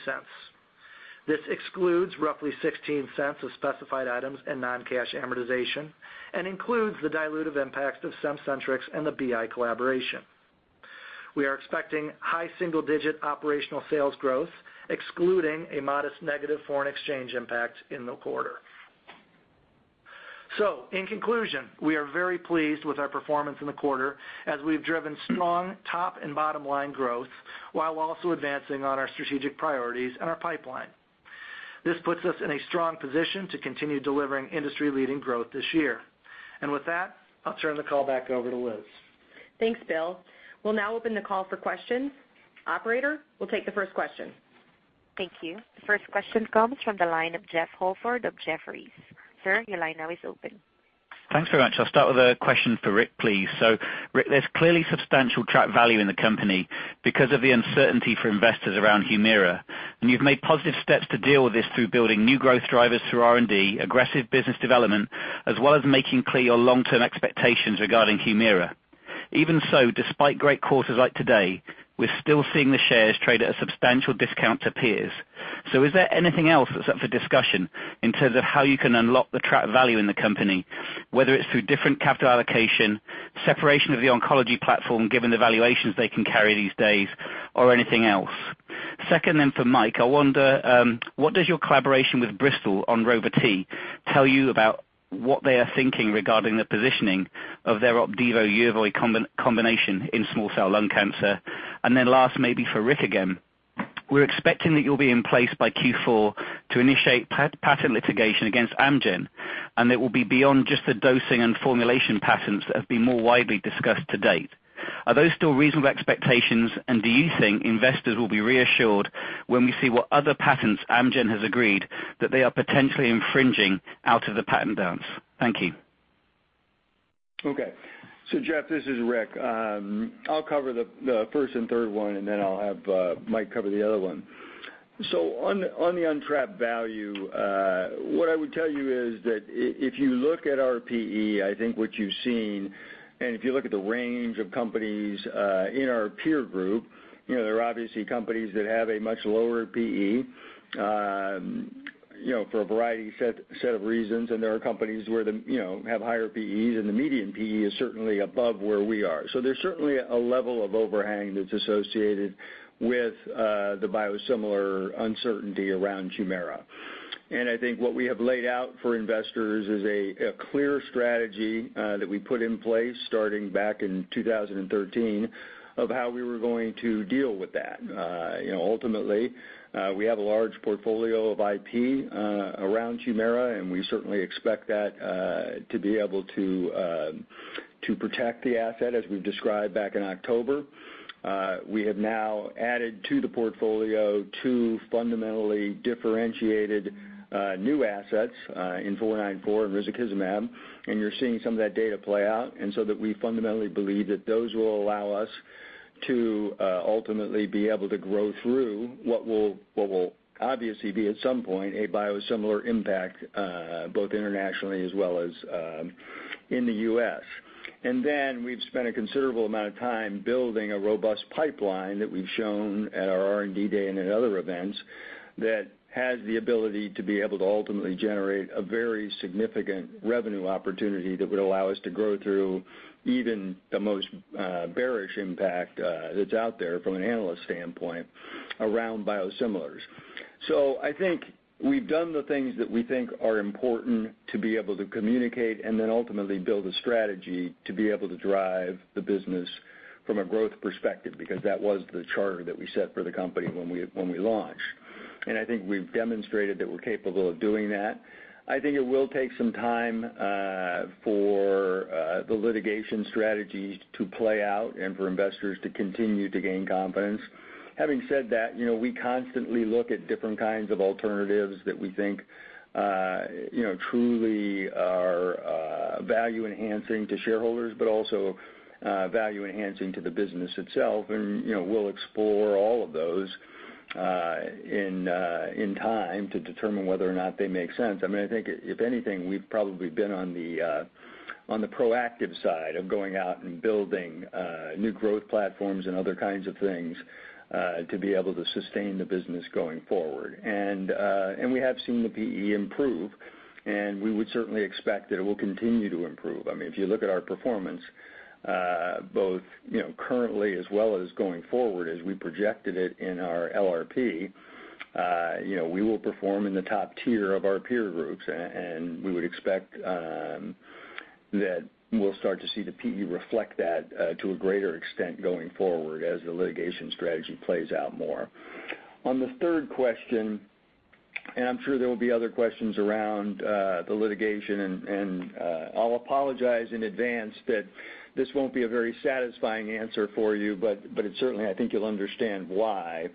This excludes roughly $0.16 of specified items and non-cash amortization and includes the dilutive impacts of Stemcentrx and the BI collaboration. We are expecting high single-digit operational sales growth, excluding a modest negative foreign exchange impact in the quarter. In conclusion, we are very pleased with our performance in the quarter as we've driven strong top and bottom-line growth while also advancing on our strategic priorities and our pipeline. This puts us in a strong position to continue delivering industry-leading growth this year. With that, I'll turn the call back over to Liz. Thanks, Bill. We'll now open the call for questions. Operator, we'll take the first question. Thank you. The first question comes from the line of Jeff Holford of Jefferies. Sir, your line now is open. Thanks very much. I'll start with a question for Rick, please. Rick, there's clearly substantial trapped value in the company because of the uncertainty for investors around HUMIRA. You've made positive steps to deal with this through building new growth drivers through R&D, aggressive business development, as well as making clear your long-term expectations regarding HUMIRA. Even so, despite great quarters like today, we're still seeing the shares trade at a substantial discount to peers. Is there anything else that's up for discussion in terms of how you can unlock the trapped value in the company, whether it's through different capital allocation, separation of the oncology platform, given the valuations they can carry these days, or anything else? Second for Mike, I wonder, what does your collaboration with Bristol on Rova-T tell you about what they are thinking regarding the positioning of their Opdivo/YERVOY combination in small cell lung cancer? Last, maybe for Rick again. We're expecting that you'll be in place by Q4 to initiate patent litigation against Amgen. It will be beyond just the dosing and formulation patents that have been more widely discussed to date. Are those still reasonable expectations, and do you think investors will be reassured when we see what other patents Amgen has agreed that they are potentially infringing out of the patent dance? Thank you. Okay. Jeff, this is Rick. I'll cover the first and third one, then I'll have Mike cover the other one. On the untapped value, what I would tell you is that if you look at our PE, I think what you've seen, and if you look at the range of companies in our peer group, there are obviously companies that have a much lower PE for a variety set of reasons, and there are companies that have higher PEs, and the median PE is certainly above where we are. There's certainly a level of overhang that's associated with the biosimilar uncertainty around HUMIRA. I think what we have laid out for investors is a clear strategy that we put in place starting back in 2013 of how we were going to deal with that. Ultimately, we have a large portfolio of IP around HUMIRA, we certainly expect that to be able to protect the asset as we've described back in October. We have now added to the portfolio two fundamentally differentiated new assets in 494 and risankizumab, you're seeing some of that data play out, we fundamentally believe that those will allow us to ultimately be able to grow through what will obviously be, at some point, a biosimilar impact, both internationally as well as in the U.S. We've spent a considerable amount of time building a robust pipeline that we've shown at our R&D day and at other events that has the ability to be able to ultimately generate a very significant revenue opportunity that would allow us to grow through even the most bearish impact that's out there from an analyst standpoint around biosimilars. I think we've done the things that we think are important to be able to communicate ultimately build a strategy to be able to drive the business from a growth perspective, because that was the charter that we set for the company when we launched. I think we've demonstrated that we're capable of doing that. I think it will take some time for the litigation strategy to play out and for investors to continue to gain confidence. Having said that, we constantly look at different kinds of alternatives that we think truly are value enhancing to shareholders, but also value enhancing to the business itself. We'll explore all of those in time to determine whether or not they make sense. I think if anything, we've probably been on the proactive side of going out and building new growth platforms and other kinds of things to be able to sustain the business going forward. We have seen the PE improve, we would certainly expect that it will continue to improve. If you look at our performance both currently as well as going forward as we projected it in our LRP, we will perform in the top tier of our peer groups, and we would expect that we will start to see the PE reflect that to a greater extent going forward as the litigation strategy plays out more. On the third question, I will apologize in advance that this won't be a very satisfying answer for you, but certainly, I think you will understand why.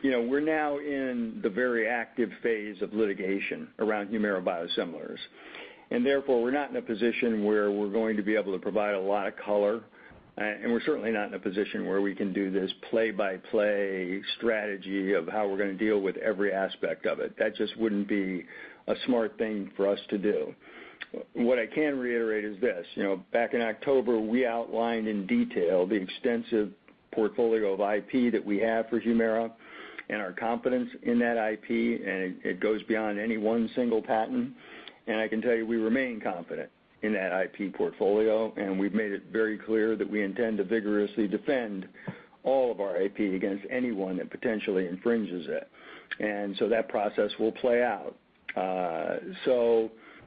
We're now in the very active phase of litigation around HUMIRA biosimilars, and therefore, we're not in a position where we're going to be able to provide a lot of color, and we're certainly not in a position where we can do this play-by-play strategy of how we're going to deal with every aspect of it. That just wouldn't be a smart thing for us to do. What I can reiterate is this. Back in October, we outlined in detail the extensive portfolio of IP that we have for HUMIRA and our confidence in that IP, and it goes beyond any one single patent. I can tell you we remain confident in that IP portfolio, and we've made it very clear that we intend to vigorously defend all of our IP against anyone that potentially infringes it. That process will play out.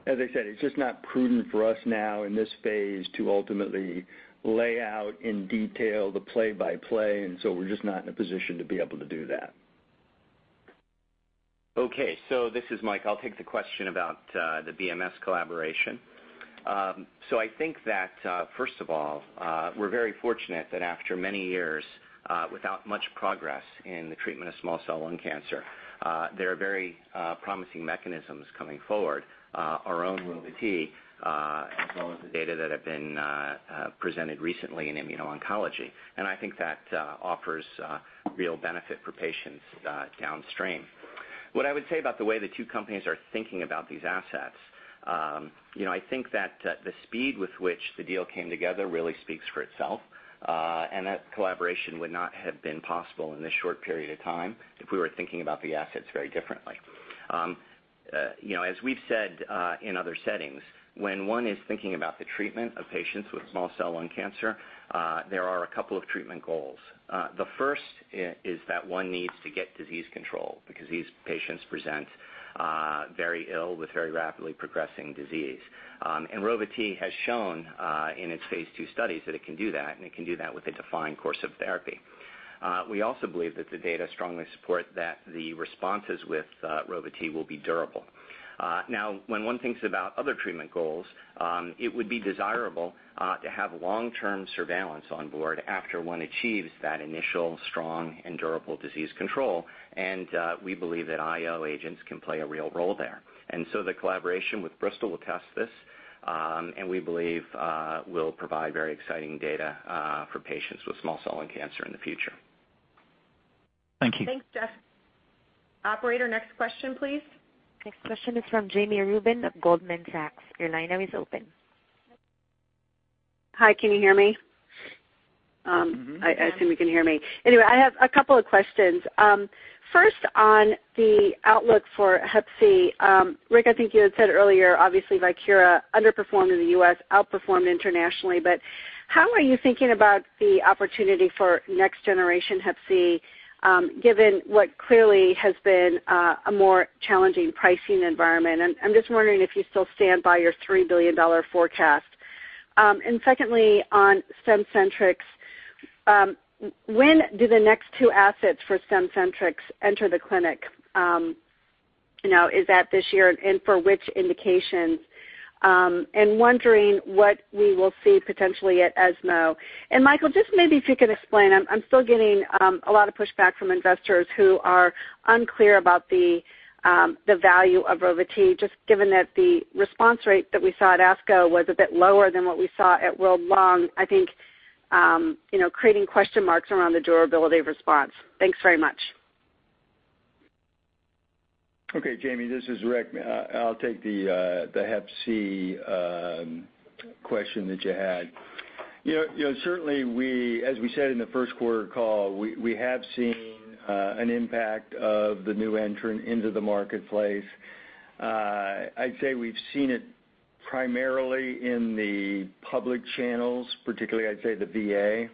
As I said, it's just not prudent for us now in this phase to ultimately lay out in detail the play-by-play, and we're just not in a position to be able to do that. Okay, this is Mike. I'll take the question about the BMS collaboration. I think that, first of all, we're very fortunate that after many years without much progress in the treatment of small cell lung cancer, there are very promising mechanisms coming forward, our own Rova-T, as well as the data that have been presented recently in immuno-oncology. I think that offers real benefit for patients downstream. What I would say about the way the two companies are thinking about these assets, I think that the speed with which the deal came together really speaks for itself, and that collaboration would not have been possible in this short period of time if we were thinking about the assets very differently. As we've said in other settings, when one is thinking about the treatment of patients with small cell lung cancer, there are a couple of treatment goals. The first is that one needs to get disease control because these patients present very ill with very rapidly progressing disease. Rova-T has shown in its phase II studies that it can do that, and it can do that with a defined course of therapy. We also believe that the data strongly support that the responses with Rova-T will be durable. When one thinks about other treatment goals, it would be desirable to have long-term surveillance on board after one achieves that initial strong and durable disease control, and we believe that IO agents can play a real role there. The collaboration with Bristol will test this, and we believe will provide very exciting data for patients with small cell lung cancer in the future. Thank you. Thanks, Jeff. Operator, next question, please. Next question is from Jami Rubin of Goldman Sachs. Your line now is open. Hi, can you hear me? Yes. I assume you can hear me. I have a couple of questions. First, on the outlook for hep C. Rick, I think you had said earlier, obviously, VIEKIRA underperformed in the U.S., outperformed internationally, how are you thinking about the opportunity for next generation hep C, given what clearly has been a more challenging pricing environment? I'm just wondering if you still stand by your $3 billion forecast. Secondly, on Stemcentrx, when do the next two assets for Stemcentrx enter the clinic? Is that this year, and for which indications? Wondering what we will see potentially at ESMO. Michael, just maybe if you could explain, I'm still getting a lot of pushback from investors who are unclear about the value of Rova-T, just given that the response rate that we saw at ASCO was a bit lower than what we saw at World Lung, I think creating question marks around the durability of response. Thanks very much. Okay, Jami, this is Rick. I'll take the hep C question that you had. Certainly, as we said in the first quarter call, we have seen an impact of the new entrant into the marketplace. I'd say we've seen it primarily in the public channels, particularly I'd say the VA,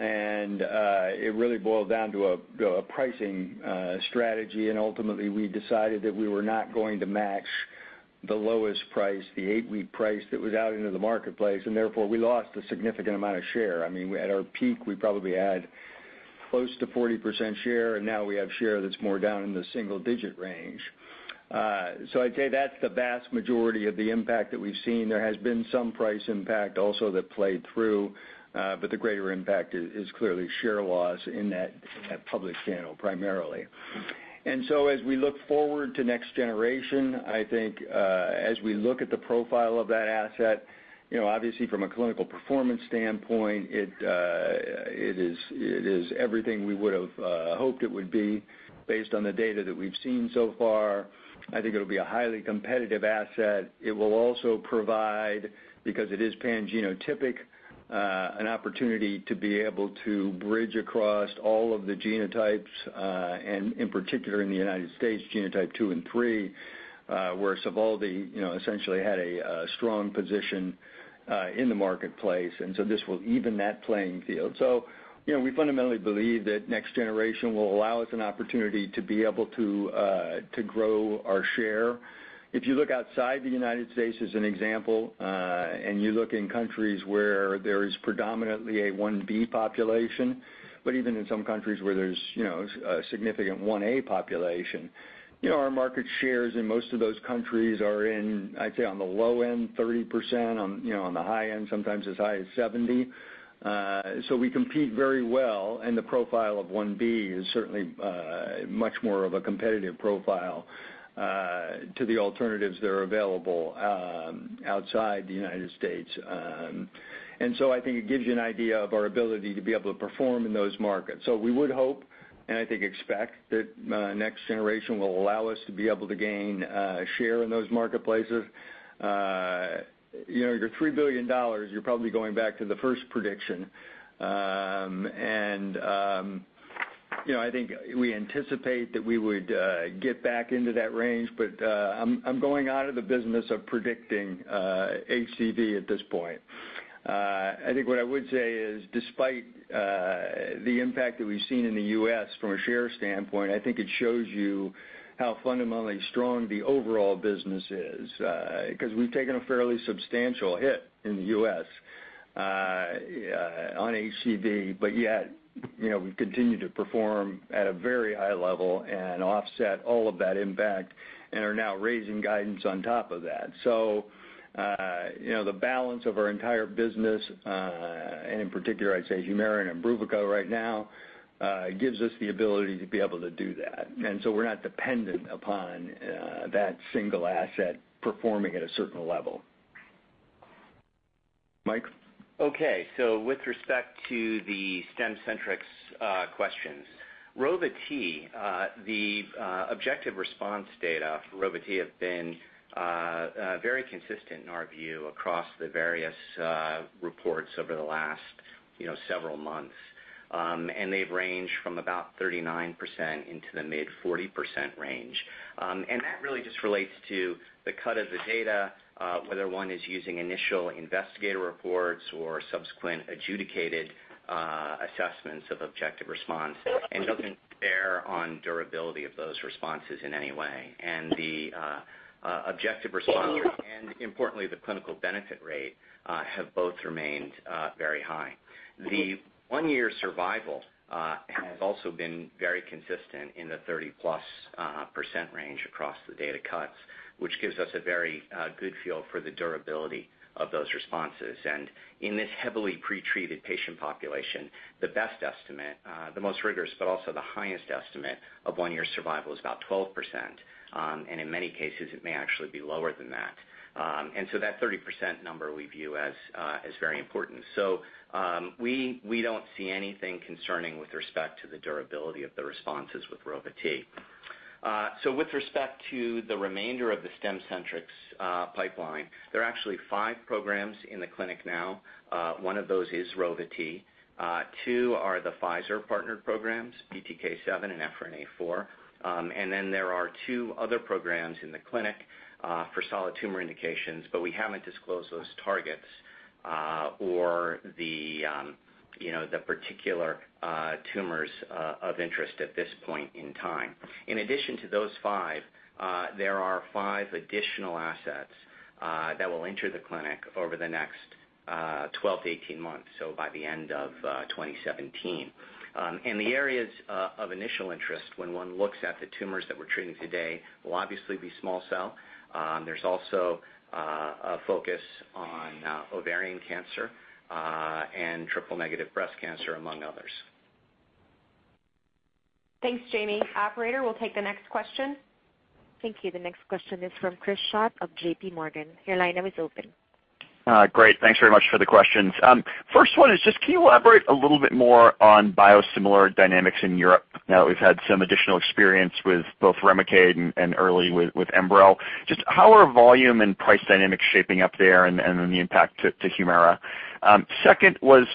it really boiled down to a pricing strategy, ultimately we decided that we were not going to match the lowest price, the 8-week price that was out into the marketplace, therefore we lost a significant amount of share. At our peak, we probably had close to 40% share, now we have share that's more down in the single-digit range. I'd say that's the vast majority of the impact that we've seen. There has been some price impact also that played through, the greater impact is clearly share loss in that public channel primarily. As we look forward to next generation, I think, as we look at the profile of that asset, obviously from a clinical performance standpoint, it is everything we would've hoped it would be based on the data that we've seen so far. I think it'll be a highly competitive asset. It will also provide, because it is pan-genotypic, an opportunity to be able to bridge across all of the genotypes, in particular in the U.S., genotype 2 and 3, where SOVALDI essentially had a strong position in the marketplace, this will even that playing field. We fundamentally believe that next generation will allow us an opportunity to be able to grow our share. If you look outside the United States as an example, you look in countries where there is predominantly a 1b population, but even in some countries where there's a significant 1a population, our market shares in most of those countries are in, I'd say on the low end, 30%, on the high end, sometimes as high as 70%. We compete very well, and the profile of 1b is certainly much more of a competitive profile to the alternatives that are available outside the United States. I think it gives you an idea of our ability to be able to perform in those markets. We would hope, and I think expect, that next generation will allow us to be able to gain share in those marketplaces. Your $3 billion, you're probably going back to the first prediction. I think we anticipate that we would get back into that range, but I'm going out of the business of predicting HCV at this point. I think what I would say is despite the impact that we've seen in the U.S. from a share standpoint, I think it shows you how fundamentally strong the overall business is. Because we've taken a fairly substantial hit in the U.S. on HCV, but yet, we've continued to perform at a very high level and offset all of that impact and are now raising guidance on top of that. The balance of our entire business, and in particular, I'd say HUMIRA and IMBRUVICA right now gives us the ability to be able to do that. We're not dependent upon that single asset performing at a certain level. Mike? Okay. With respect to the Stemcentrx questions, Rova-T, the objective response data for Rova-T have been very consistent in our view across the various reports over the last several months. They've ranged from about 39% into the mid 40% range. That really just relates to the cut of the data, whether one is using initial investigator reports or subsequent adjudicated assessments of objective response and doesn't bear on durability of those responses in any way. The objective response and importantly, the clinical benefit rate, have both remained very high. The one-year survival has also been very consistent in the 30-plus percent range across the data cuts, which gives us a very good feel for the durability of those responses. In this heavily pretreated patient population, the best estimate, the most rigorous, but also the highest estimate of one-year survival is about 12%, and in many cases it may actually be lower than that. That 30% number we view as very important. We don't see anything concerning with respect to the durability of the responses with Rova-T. With respect to the remainder of the Stemcentrx pipeline, there are actually five programs in the clinic now. One of those is Rova-T. Two are the Pfizer partnered programs, BTK7 and EphrinA4. There are two other programs in the clinic for solid tumor indications, but we haven't disclosed those targets or the particular tumors of interest at this point in time. In addition to those five, there are five additional assets that will enter the clinic over the next 12 to 18 months, so by the end of 2017. The areas of initial interest when one looks at the tumors that we're treating today will obviously be small cell. There's also a focus on ovarian cancer and triple-negative breast cancer among others. Thanks, Jami. Operator, we'll take the next question. Thank you. The next question is from Chris Schott of JP Morgan. Your line is open. Great. Thanks very much for the questions. First one is just can you elaborate a little bit more on biosimilar dynamics in Europe now that we've had some additional experience with both REMICADE and early with Enbrel? Just how are volume and price dynamics shaping up there and then the impact to HUMIRA? Second was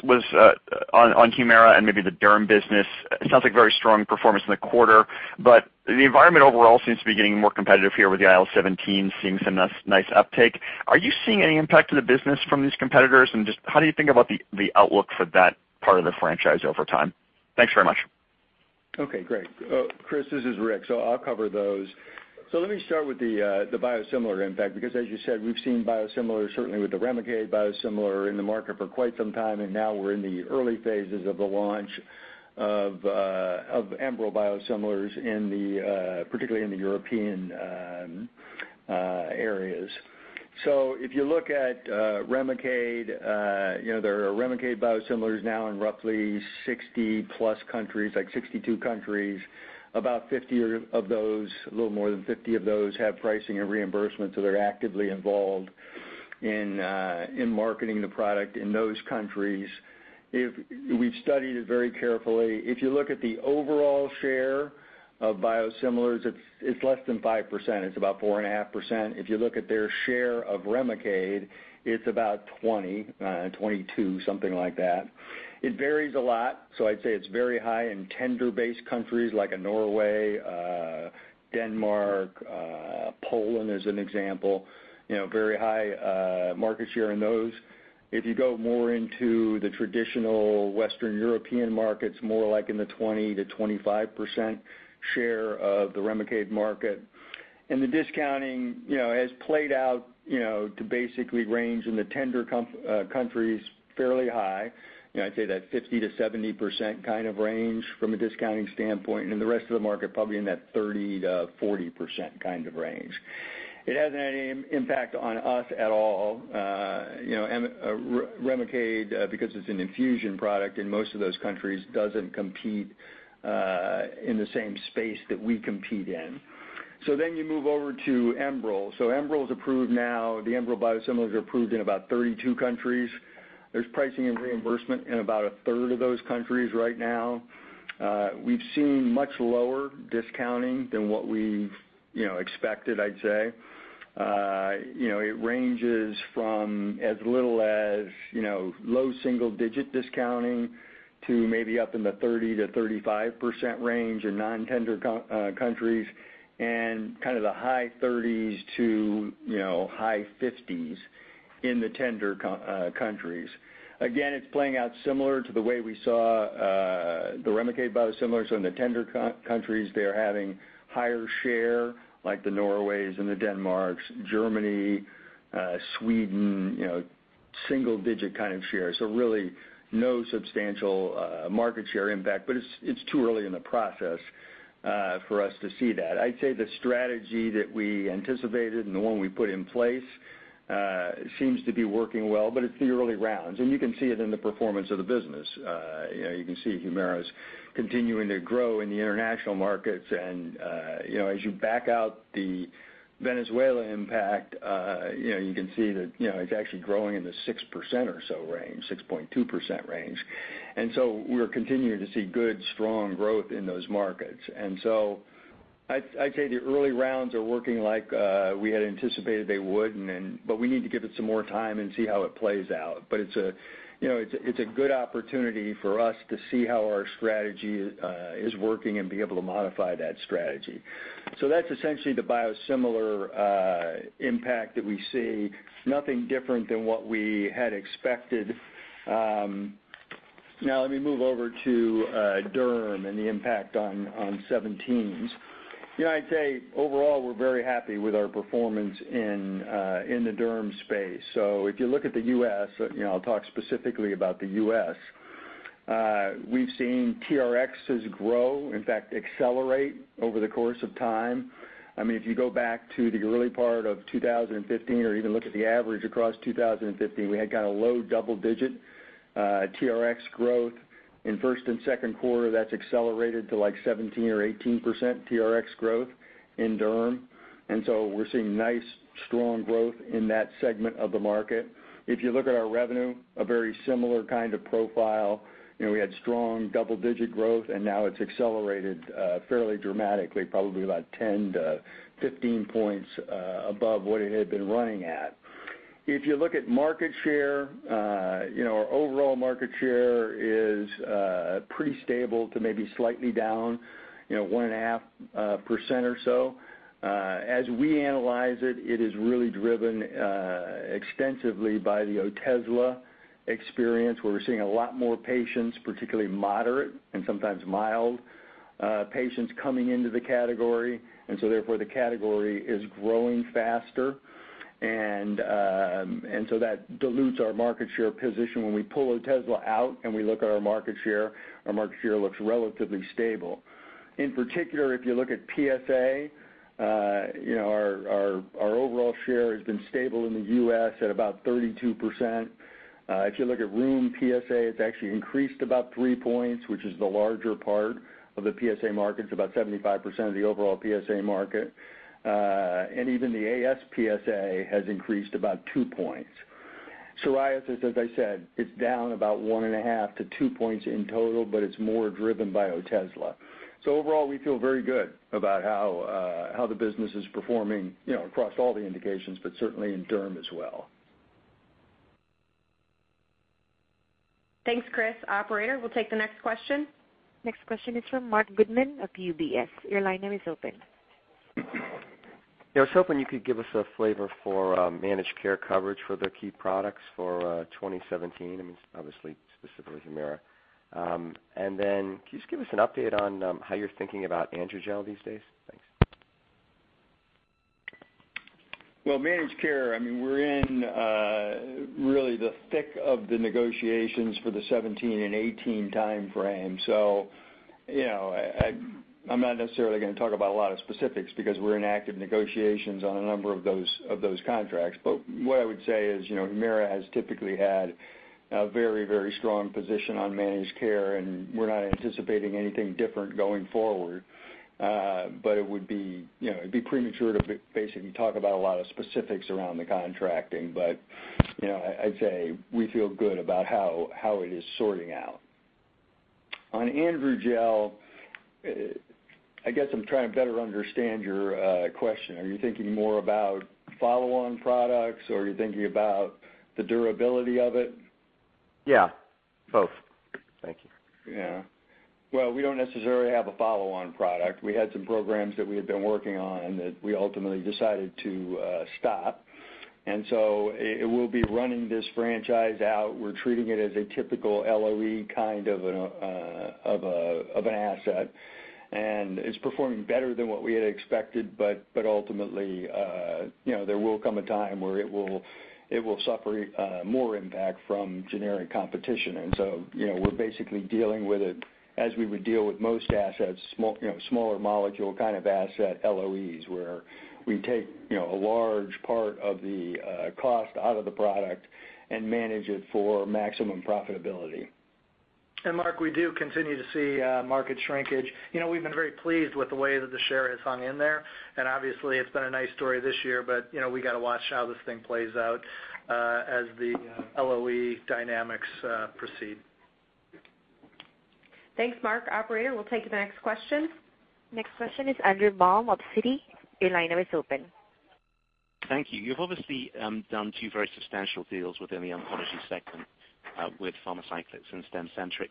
on HUMIRA and maybe the derm business. It sounds like very strong performance in the quarter, but the environment overall seems to be getting more competitive here with the IL-17 seeing some nice uptake. Are you seeing any impact to the business from these competitors and just how do you think about the outlook for that part of the franchise over time? Thanks very much. Okay, great. Chris, this is Rick, I'll cover those. Let me start with the biosimilar impact, because as you said, we've seen biosimilars, certainly with the REMICADE biosimilar in the market for quite some time, and now we're in the early phases of the launch of Enbrel biosimilars particularly in the European areas. If you look at REMICADE, there are REMICADE biosimilars now in roughly 60+ countries, like 62 countries. About 50 of those, a little more than 50 of those, have pricing and reimbursement, so they're actively involved in marketing the product in those countries. We've studied it very carefully. If you look at the overall share of biosimilars, it's less than 5%. It's about 4.5%. If you look at their share of REMICADE, it's about 20, 22, something like that. It varies a lot. I'd say it's very high in tender-based countries like a Norway, Denmark, Poland, as an example, very high market share in those. If you go more into the traditional Western European markets, more like in the 20%-25% share of the REMICADE market. The discounting has played out, to basically range in the tender countries fairly high. I'd say that 50%-70% kind of range from a discounting standpoint, and the rest of the market probably in that 30%-40% kind of range. It hasn't had any impact on us at all. REMICADE, because it's an infusion product in most of those countries, doesn't compete in the same space that we compete in. You move over to Enbrel. Enbrel's approved now, the Enbrel biosimilars are approved in about 32 countries. There's pricing and reimbursement in about a third of those countries right now. We've seen much lower discounting than what we've expected, I'd say. It ranges from as little as low single-digit discounting to maybe up in the 30%-35% range in non-tender countries and kind of the high 30s-high 50s in the tender countries. Again, it's playing out similar to the way we saw the REMICADE biosimilars in the tender countries. They're having higher share, like the Norways and the Denmarks, Germany, Sweden, single-digit kind of share. Really no substantial market share impact, it's too early in the process for us to see that. I'd say the strategy that we anticipated and the one we put in place seems to be working well, it's the early rounds, you can see it in the performance of the business. You can see HUMIRA's continuing to grow in the international markets, and as you back out the Venezuela impact, you can see that it's actually growing in the 6% or so range, 6.2% range. We're continuing to see good, strong growth in those markets. I'd say the early rounds are working like we had anticipated they would, we need to give it some more time and see how it plays out. It's a good opportunity for us to see how our strategy is working and be able to modify that strategy. That's essentially the biosimilar impact that we see. Nothing different than what we had expected. Now let me move over to derm and the impact on IL-17s. I'd say overall, we're very happy with our performance in the derm space. If you look at the U.S., I'll talk specifically about the U.S. We've seen TRXs grow, in fact, accelerate over the course of time. If you go back to the early part of 2015 or even look at the average across 2015, we had kind of low double-digit TRX growth. In first and second quarter, that's accelerated to like 17% or 18% TRX growth in derm. We're seeing nice, strong growth in that segment of the market. If you look at our revenue, a very similar kind of profile. We had strong double-digit growth. Now it's accelerated fairly dramatically, probably about 10-15 points above what it had been running at. If you look at market share, our overall market share is pretty stable to maybe slightly down, 1.5% or so. As we analyze it is really driven extensively by the Otezla experience, where we're seeing a lot more patients, particularly moderate and sometimes mild patients coming into the category. The category is growing faster. That dilutes our market share position. When we pull Otezla out and we look at our market share, our market share looks relatively stable. In particular, if you look at PsA, our overall share has been stable in the U.S. at about 32%. If you look at rheum PsA, it's actually increased about 3 points, which is the larger part of the PsA market. It's about 75% of the overall PsA market. Even the AS/PsA has increased about 2 points. Psoriasis, as I said, it's down about 1.5 to 2 points in total, but it's more driven by Otezla. Overall, we feel very good about how the business is performing across all the indications, but certainly in derm as well. Thanks, Chris. Operator, we'll take the next question. Next question is from Marc Goodman of UBS. Your line now is open. Yeah, I was hoping you could give us a flavor for managed care coverage for the key products for 2017, and obviously, specifically HUMIRA. Can you just give us an update on how you're thinking about AndroGel these days? Thanks. Well, managed care, we're in really the thick of the negotiations for the 2017 and 2018 timeframe. I'm not necessarily going to talk about a lot of specifics because we're in active negotiations on a number of those contracts. What I would say is HUMIRA has typically had a very strong position on managed care, and we're not anticipating anything different going forward. It would be premature to basically talk about a lot of specifics around the contracting. I'd say we feel good about how it is sorting out. On AndroGel, I guess I'm trying to better understand your question. Are you thinking more about follow-on products, or are you thinking about the durability of it? Yeah, both. Thank you. Well, we don't necessarily have a follow-on product. We had some programs that we had been working on that we ultimately decided to stop. We'll be running this franchise out. We're treating it as a typical LOE kind of an asset. It's performing better than what we had expected, but ultimately there will come a time where it will suffer more impact from generic competition. We're basically dealing with it as we would deal with most assets, smaller molecule kind of asset LOEs, where we take a large part of the cost out of the product and manage it for maximum profitability. Mark, we do continue to see market shrinkage. We've been very pleased with the way that the share has hung in there. Obviously, it's been a nice story this year, but we got to watch how this thing plays out as the LOE dynamics proceed. Thanks, Mark. Operator, we'll take the next question. Next question is Andrew Baum of Citi. Your line now is open. Thank you. You've obviously done two very substantial deals within the oncology segment with Pharmacyclics and Stemcentrx.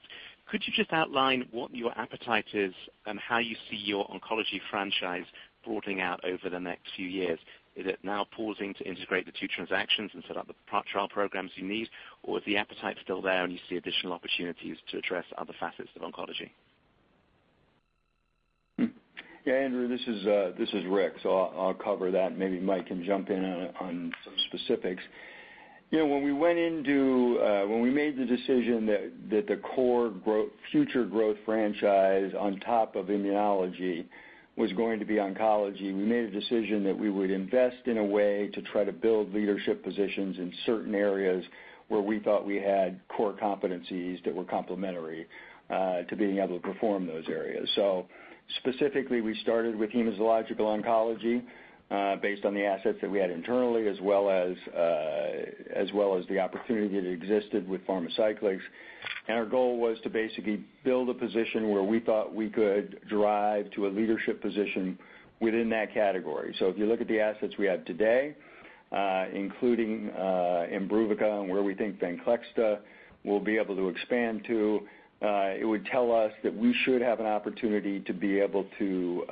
Could you just outline what your appetite is and how you see your oncology franchise broadening out over the next few years? Is it now pausing to integrate the two transactions and set up the trial programs you need, or is the appetite still there, and you see additional opportunities to address other facets of oncology? Yeah, Andrew, this is Rick, I'll cover that, maybe Mike can jump in on some specifics. When we made the decision that the core future growth franchise on top of immunology was going to be oncology, we made a decision that we would invest in a way to try to build leadership positions in certain areas where we thought we had core competencies that were complementary to being able to perform those areas. Specifically, we started with hematological oncology based on the assets that we had internally as well as the opportunity that existed with Pharmacyclics, and our goal was to basically build a position where we thought we could drive to a leadership position within that category. If you look at the assets we have today, including IMBRUVICA and where we think VENCLEXTA will be able to expand to, it would tell us that we should have an opportunity to be able to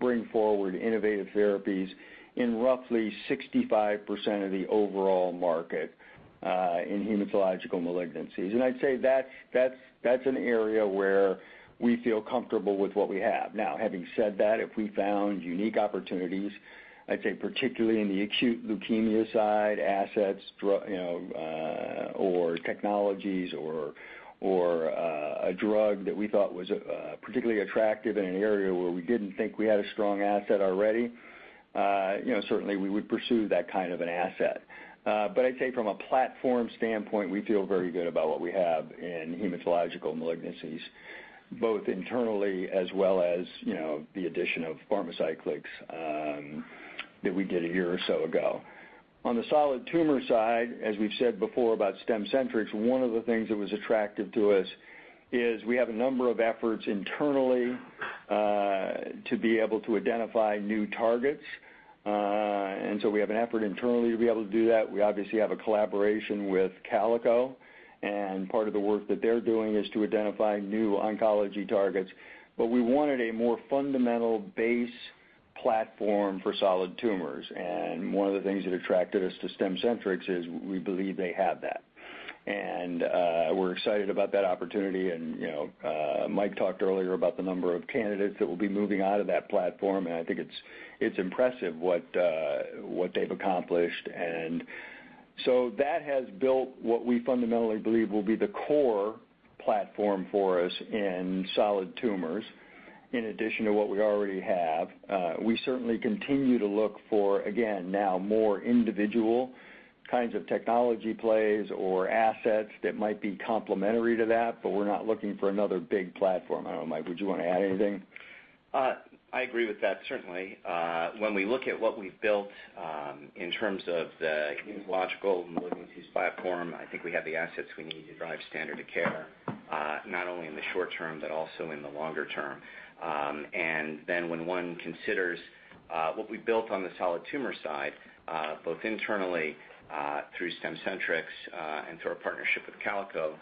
bring forward innovative therapies in roughly 65% of the overall market in hematological malignancies. I'd say that's an area where we feel comfortable with what we have. Now, having said that, if we found unique opportunities, I'd say particularly in the acute leukemia side, assets or technologies or a drug that we thought was particularly attractive in an area where we didn't think we had a strong asset already, certainly we would pursue that kind of an asset. I'd say from a platform standpoint, we feel very good about what we have in hematological malignancies, both internally as well as the addition of Pharmacyclics that we did a year or so ago. On the solid tumor side, as we've said before about Stemcentrx, one of the things that was attractive to us is we have a number of efforts internally to be able to identify new targets, we have an effort internally to be able to do that. We obviously have a collaboration with Calico, part of the work that they're doing is to identify new oncology targets. We wanted a more fundamental base platform for solid tumors, one of the things that attracted us to Stemcentrx is we believe they have that. We're excited about that opportunity. Mike talked earlier about the number of candidates that will be moving out of that platform. I think it's impressive what they've accomplished. That has built what we fundamentally believe will be the core platform for us in solid tumors. In addition to what we already have, we certainly continue to look for, again, now more individual kinds of technology plays or assets that might be complementary to that. We're not looking for another big platform. I don't know, Mike, would you want to add anything? I agree with that, certainly. When we look at what we've built in terms of the immunological malignancies platform, I think we have the assets we need to drive standard of care, not only in the short term but also in the longer term. When one considers what we've built on the solid tumor side, both internally through Stemcentrx and through our partnership with Calico,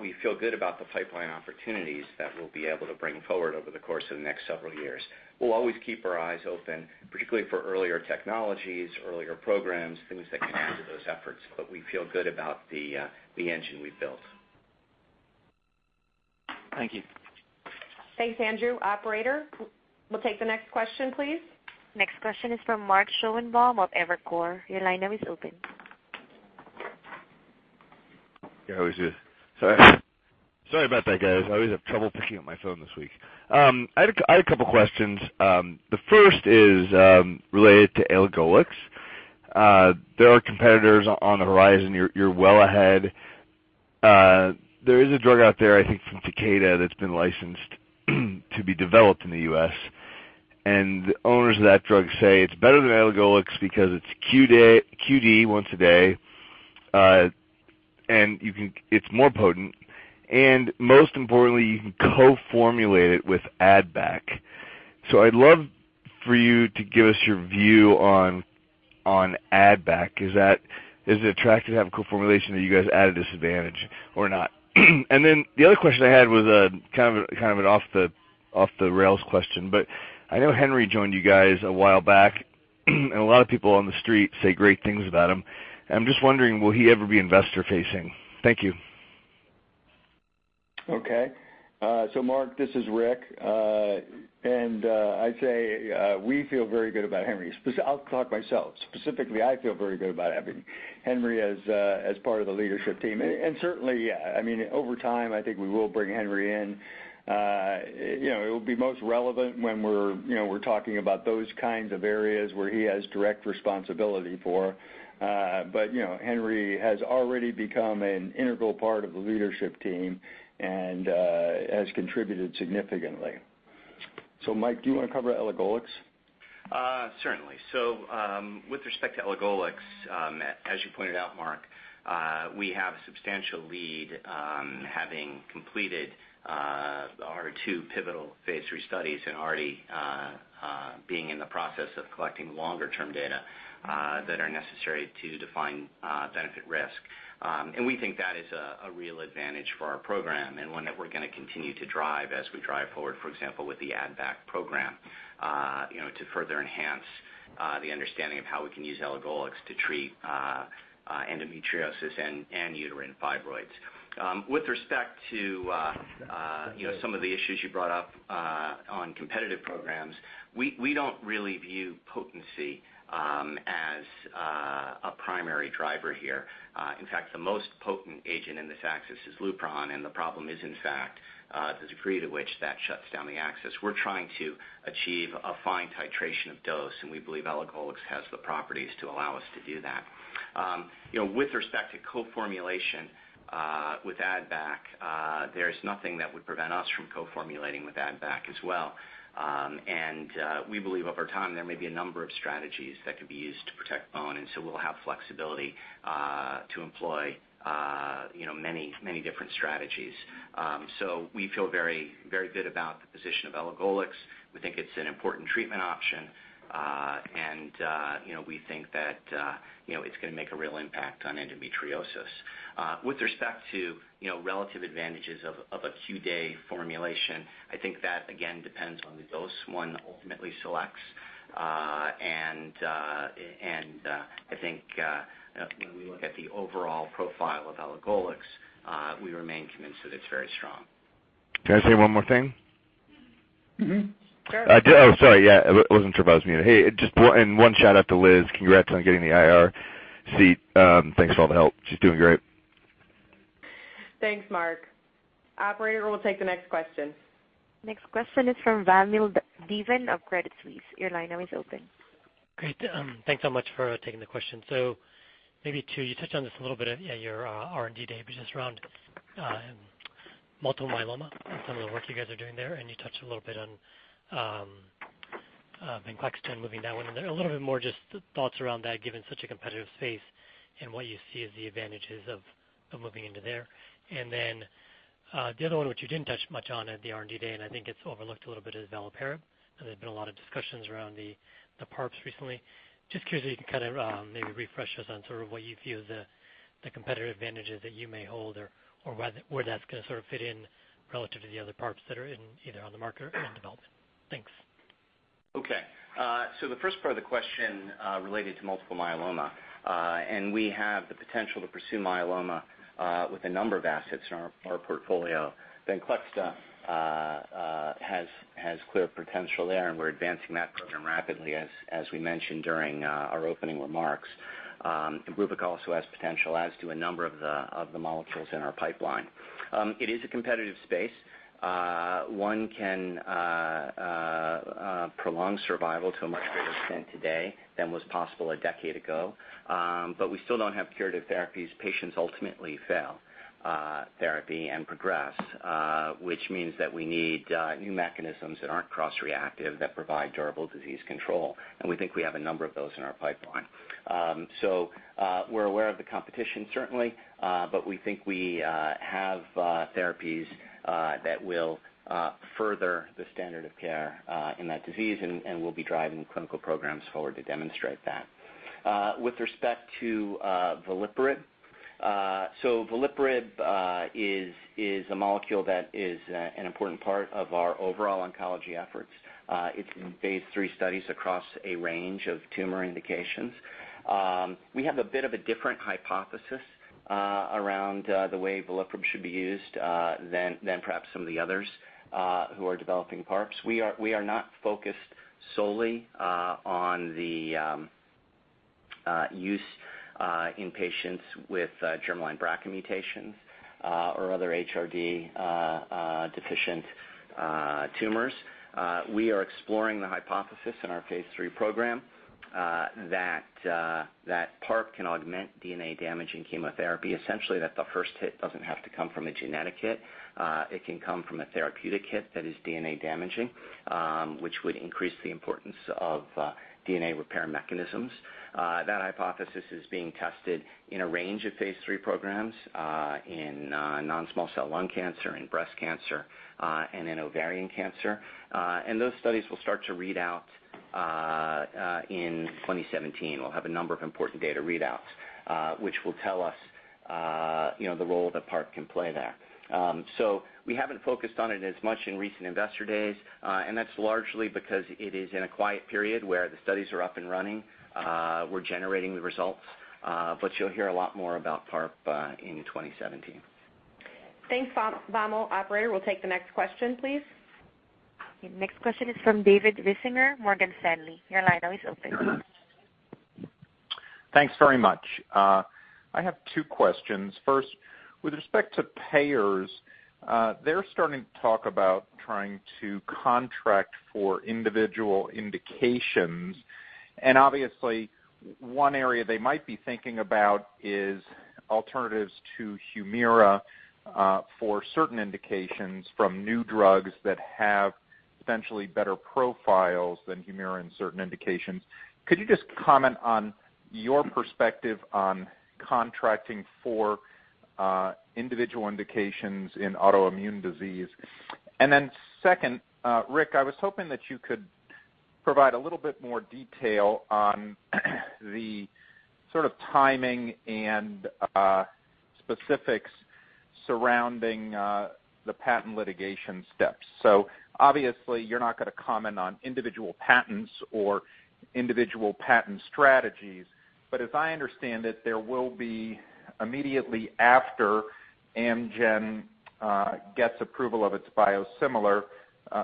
we feel good about the pipeline opportunities that we'll be able to bring forward over the course of the next several years. We'll always keep our eyes open, particularly for earlier technologies, earlier programs, things that can add to those efforts. We feel good about the engine we've built. Thank you. Thanks, Andrew. Operator, we'll take the next question, please. Next question is from Mark Schoenebaum of Evercore. Your line now is open. Yeah, how is this? Sorry about that guys. I always have trouble picking up my phone this week. I had a couple questions. The first is related to elagolix. There are competitors on the horizon. You're well ahead. There is a drug out there, I think from Takeda, that's been licensed to be developed in the U.S., and owners of that drug say it's better than elagolix because it's QD, once a day. It's more potent, and most importantly, you can co-formulate it with add-back. I'd love for you to give us your view on add-back. Is it attractive to have a co-formulation or are you guys at a disadvantage or not? The other question I had was kind of an off-the-rails question, but I know Henry joined you guys a while back, and a lot of people on the street say great things about him. I'm just wondering, will he ever be investor facing? Thank you. Okay. Mark, this is Rick. I'd say we feel very good about Henry. I'll talk myself. Specifically, I feel very good about having Henry as part of the leadership team. Certainly, yeah, over time, I think we will bring Henry in. It will be most relevant when we're talking about those kinds of areas where he has direct responsibility for. Henry has already become an integral part of the leadership team and has contributed significantly. Mike, do you want to cover elagolix? Certainly. With respect to elagolix, as you pointed out, Marc, we have a substantial lead having completed our two pivotal phase III studies and already being in the process of collecting longer-term data that are necessary to define benefit risk. We think that is a real advantage for our program and one that we're going to continue to drive as we drive forward, for example, with the add-back program to further enhance the understanding of how we can use elagolix to treat endometriosis and uterine fibroids. With respect to some of the issues you brought up on competitive programs, we don't really view potency as a primary driver here. In fact, the most potent agent in this axis is LUPRON, the problem is, in fact, the degree to which that shuts down the axis. We're trying to achieve a fine titration of dose, we believe elagolix has the properties to allow us to do that. With respect to co-formulation with add-back, there's nothing that would prevent us from co-formulating with add-back as well. We believe over time, there may be a number of strategies that could be used to protect bone, we'll have flexibility to employ many different strategies. We feel very good about the position of elagolix. We think it's an important treatment option, we think that it's going to make a real impact on endometriosis. With respect to relative advantages of a QD formulation, I think that again depends on the dose one ultimately selects. I think when we look at the overall profile of elagolix, we remain convinced that it's very strong. Can I say one more thing? Mm-hmm. Sure. Sorry. Yeah, wasn't sure if I was muted. Hey, one shout-out to Liz. Congrats on getting the IR seat. Thanks for all the help. She's doing great. Thanks, Mark. Operator, we'll take the next question. Next question is from Vamil Divan of Credit Suisse. Your line now is open. Great. Thanks so much for taking the question. Maybe two, you touched on this a little bit at your R&D Day, but just around multiple myeloma and some of the work you guys are doing there, and you touched a little bit on VENCLEXTA and moving that one in there. A little bit more just thoughts around that, given such a competitive space and what you see as the advantages of moving into there. The other one, which you didn't touch much on at the R&D Day, and I think it's overlooked a little bit, is veliparib. There's been a lot of discussions around the PARPs recently. Just curious if you can kind of maybe refresh us on what you view as the competitive advantages that you may hold or where that's going to fit in relative to the other PARPs that are either on the market or in development. Thanks. The first part of the question related to multiple myeloma, and we have the potential to pursue myeloma with a number of assets in our portfolio. VENCLEXTA has clear potential there, and we're advancing that program rapidly as we mentioned during our opening remarks. IMBRUVICA also has potential, as do a number of the molecules in our pipeline. It is a competitive space. One can prolong survival to a much greater extent today than was possible a decade ago, but we still don't have curative therapies. Patients ultimately fail therapy and progress, which means that we need new mechanisms that aren't cross-reactive, that provide durable disease control, and we think we have a number of those in our pipeline. We're aware of the competition, certainly, but we think we have therapies that will further the standard of care in that disease, and we'll be driving clinical programs forward to demonstrate that. With respect to veliparib. veliparib is a molecule that is an important part of our overall oncology efforts. It's in phase III studies across a range of tumor indications. We have a bit of a different hypothesis around the way veliparib should be used than perhaps some of the others who are developing PARPs. We are not focused solely on the use in patients with germline BRCA mutations or other HRD-deficient tumors. We are exploring the hypothesis in our phase III program that PARP can augment DNA-damaging chemotherapy, essentially that the first hit doesn't have to come from a genetic hit. It can come from a therapeutic hit that is DNA damaging, which would increase the importance of DNA repair mechanisms. That hypothesis is being tested in a range of phase III programs, in non-small cell lung cancer, in breast cancer, and in ovarian cancer. Those studies will start to read out in 2017. We'll have a number of important data readouts, which will tell us the role that PARP can play there. We haven't focused on it as much in recent investor days, and that's largely because it is in a quiet period where the studies are up and running. We're generating the results. You'll hear a lot more about PARP in 2017. Thanks, Vamil. Operator, we'll take the next question, please. The next question is from David Risinger, Morgan Stanley. Your line is open. Thanks very much. I have two questions. First, with respect to payers, they're starting to talk about trying to contract for individual indications. Obviously, one area they might be thinking about is alternatives to HUMIRA for certain indications from new drugs that have potentially better profiles than HUMIRA in certain indications. Could you just comment on your perspective on contracting for individual indications in autoimmune disease? Then second, Rick, I was hoping that you could provide a little bit more detail on the sort of timing and specifics surrounding the patent litigation steps. Obviously, you're not going to comment on individual patents or individual patent strategies, but as I understand it, there will be immediately after Amgen gets approval of its biosimilar,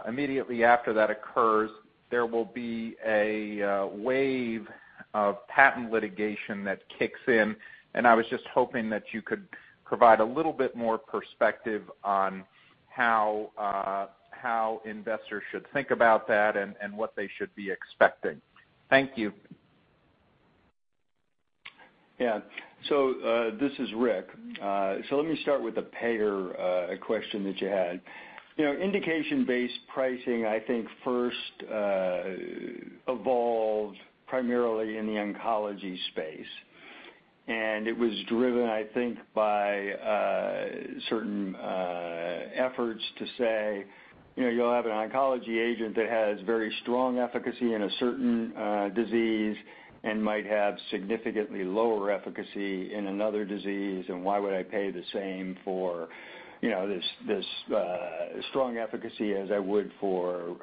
immediately after that occurs, there will be a wave of patent litigation that kicks in, and I was just hoping that you could provide a little bit more perspective on how investors should think about that and what they should be expecting. Thank you. Yeah. This is Rick. Let me start with the payer question that you had. Indication-based pricing, I think, first evolved primarily in the oncology space, and it was driven, I think, by certain efforts to say, you'll have an oncology agent that has very strong efficacy in a certain disease and might have significantly lower efficacy in another disease, and why would I pay the same for this strong efficacy as I would for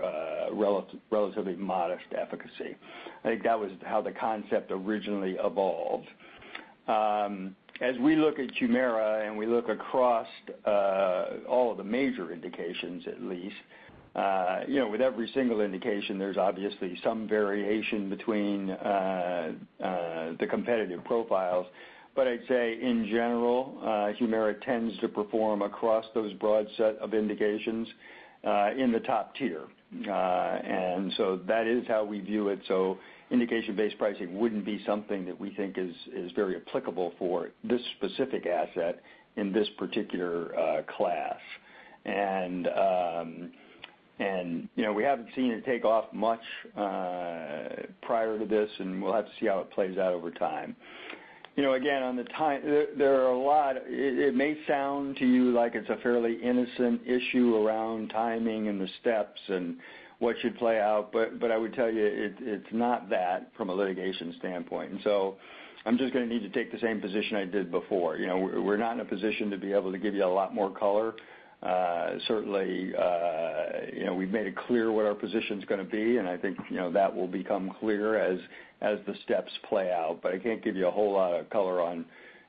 relatively modest efficacy? I think that was how the concept originally evolved. As we look at HUMIRA and we look across all of the major indications at least, with every single indication, there's obviously some variation between the competitive profiles. I'd say in general, HUMIRA tends to perform across those broad set of indications in the top tier. That is how we view it. Indication-based pricing wouldn't be something that we think is very applicable for this specific asset in this particular class. We haven't seen it take off much prior to this, and we'll have to see how it plays out over time. Again, it may sound to you like it's a fairly innocent issue around timing and the steps and what should play out, but I would tell you, it's not that from a litigation standpoint. I'm just going to need to take the same position I did before. We're not in a position to be able to give you a lot more color. Certainly, we've made it clear what our position's going to be, and I think that will become clear as the steps play out. I can't give you a whole lot of color on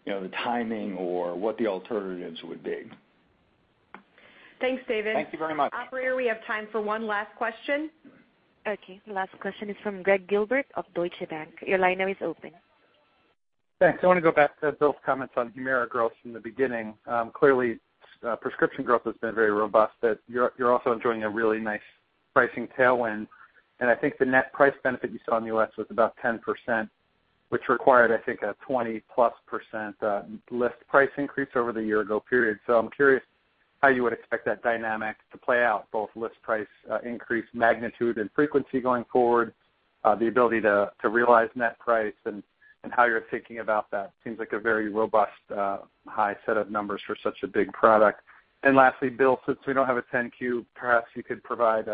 the timing or what the alternatives would be. Thanks, David. Thank you very much. Operator, we have time for one last question. Okay, last question is from Gregg Gilbert of Deutsche Bank. Your line now is open. Thanks. I want to go back to Bill's comments on HUMIRA growth from the beginning. Clearly, prescription growth has been very robust, but you're also enjoying a really nice pricing tailwind, and I think the net price benefit you saw in the U.S. was about 10%, which required, I think, a 20-plus % list price increase over the year-ago period. I'm curious how you would expect that dynamic to play out, both list price increase magnitude and frequency going forward, the ability to realize net price, and how you're thinking about that. Seems like a very robust, high set of numbers for such a big product. Lastly, Bill, since we don't have a 10-Q, perhaps you could provide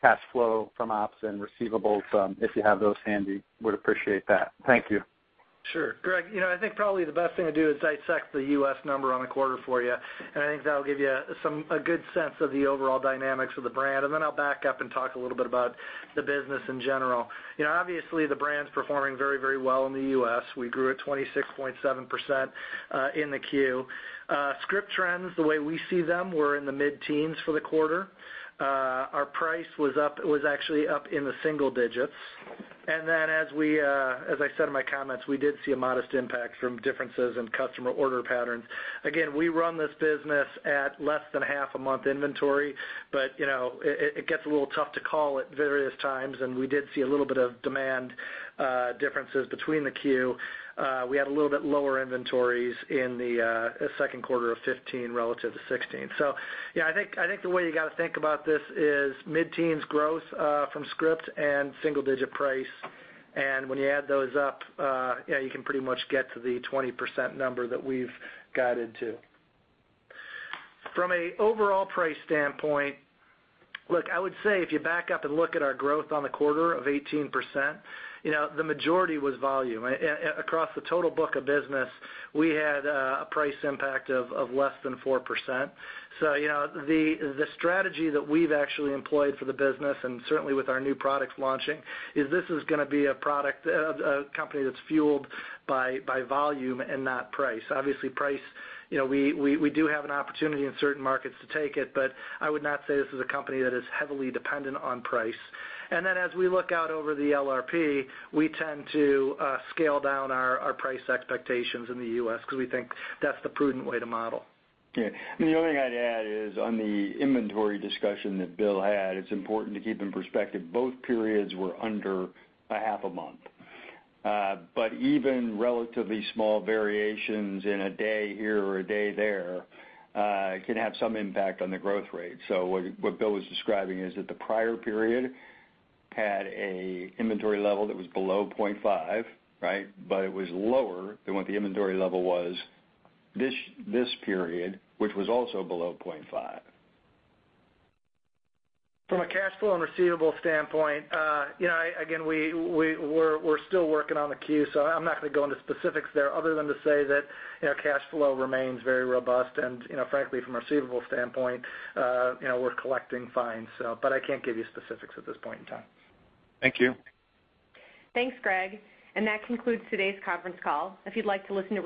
cash flow from ops and receivables if you have those handy, would appreciate that. Thank you. Sure. Greg, I think probably the best thing to do is dissect the U.S. number on the quarter for you, and I think that'll give you a good sense of the overall dynamics of the brand, and then I'll back up and talk a little bit about the business in general. Obviously, the brand's performing very well in the U.S. We grew at 26.7% in the Q. Script trends, the way we see them, were in the mid-teens for the quarter. Our price was actually up in the single digits. Then, as I said in my comments, we did see a modest impact from differences in customer order patterns. Again, we run this business at less than a half-a-month inventory, but it gets a little tough to call at various times, and we did see a little bit of demand differences between the Q. We had a little bit lower inventories in the second quarter of 2015 relative to 2016. Yeah, I think the way you got to think about this is mid-teens growth from script and single-digit price, and when you add those up, you can pretty much get to the 20% number that we've guided to. From an overall price standpoint, look, I would say if you back up and look at our growth on the quarter of 18%, the majority was volume. Across the total book of business, we had a price impact of less than 4%. The strategy that we've actually employed for the business, and certainly with our new products launching, is this is going to be a company that's fueled by volume and not price. Obviously, price, we do have an opportunity in certain markets to take it, but I would not say this is a company that is heavily dependent on price. As we look out over the LRP, we tend to scale down our price expectations in the U.S. because we think that's the prudent way to model. Yeah. The only thing I'd add is on the inventory discussion that Bill had, it's important to keep in perspective both periods were under a half a month. Even relatively small variations in a day here or a day there can have some impact on the growth rate. What Bill was describing is that the prior period had an inventory level that was below 0.5, right. It was lower than what the inventory level was this period, which was also below 0.5. From a cash flow and receivable standpoint, again, we're still working on the 10-Q. I'm not going to go into specifics there other than to say that cash flow remains very robust and, frankly, from a receivable standpoint, we're collecting fine. I can't give you specifics at this point in time. Thank you. Thanks, Gregg. That concludes today's conference call. If you'd like to listen to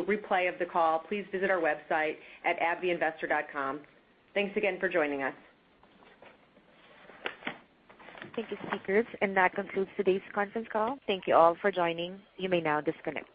a replay of the call, please visit our website at abbvieinvestor.com. Thanks again for joining us. Thank you, speakers. That concludes today's conference call. Thank you all for joining. You may now disconnect.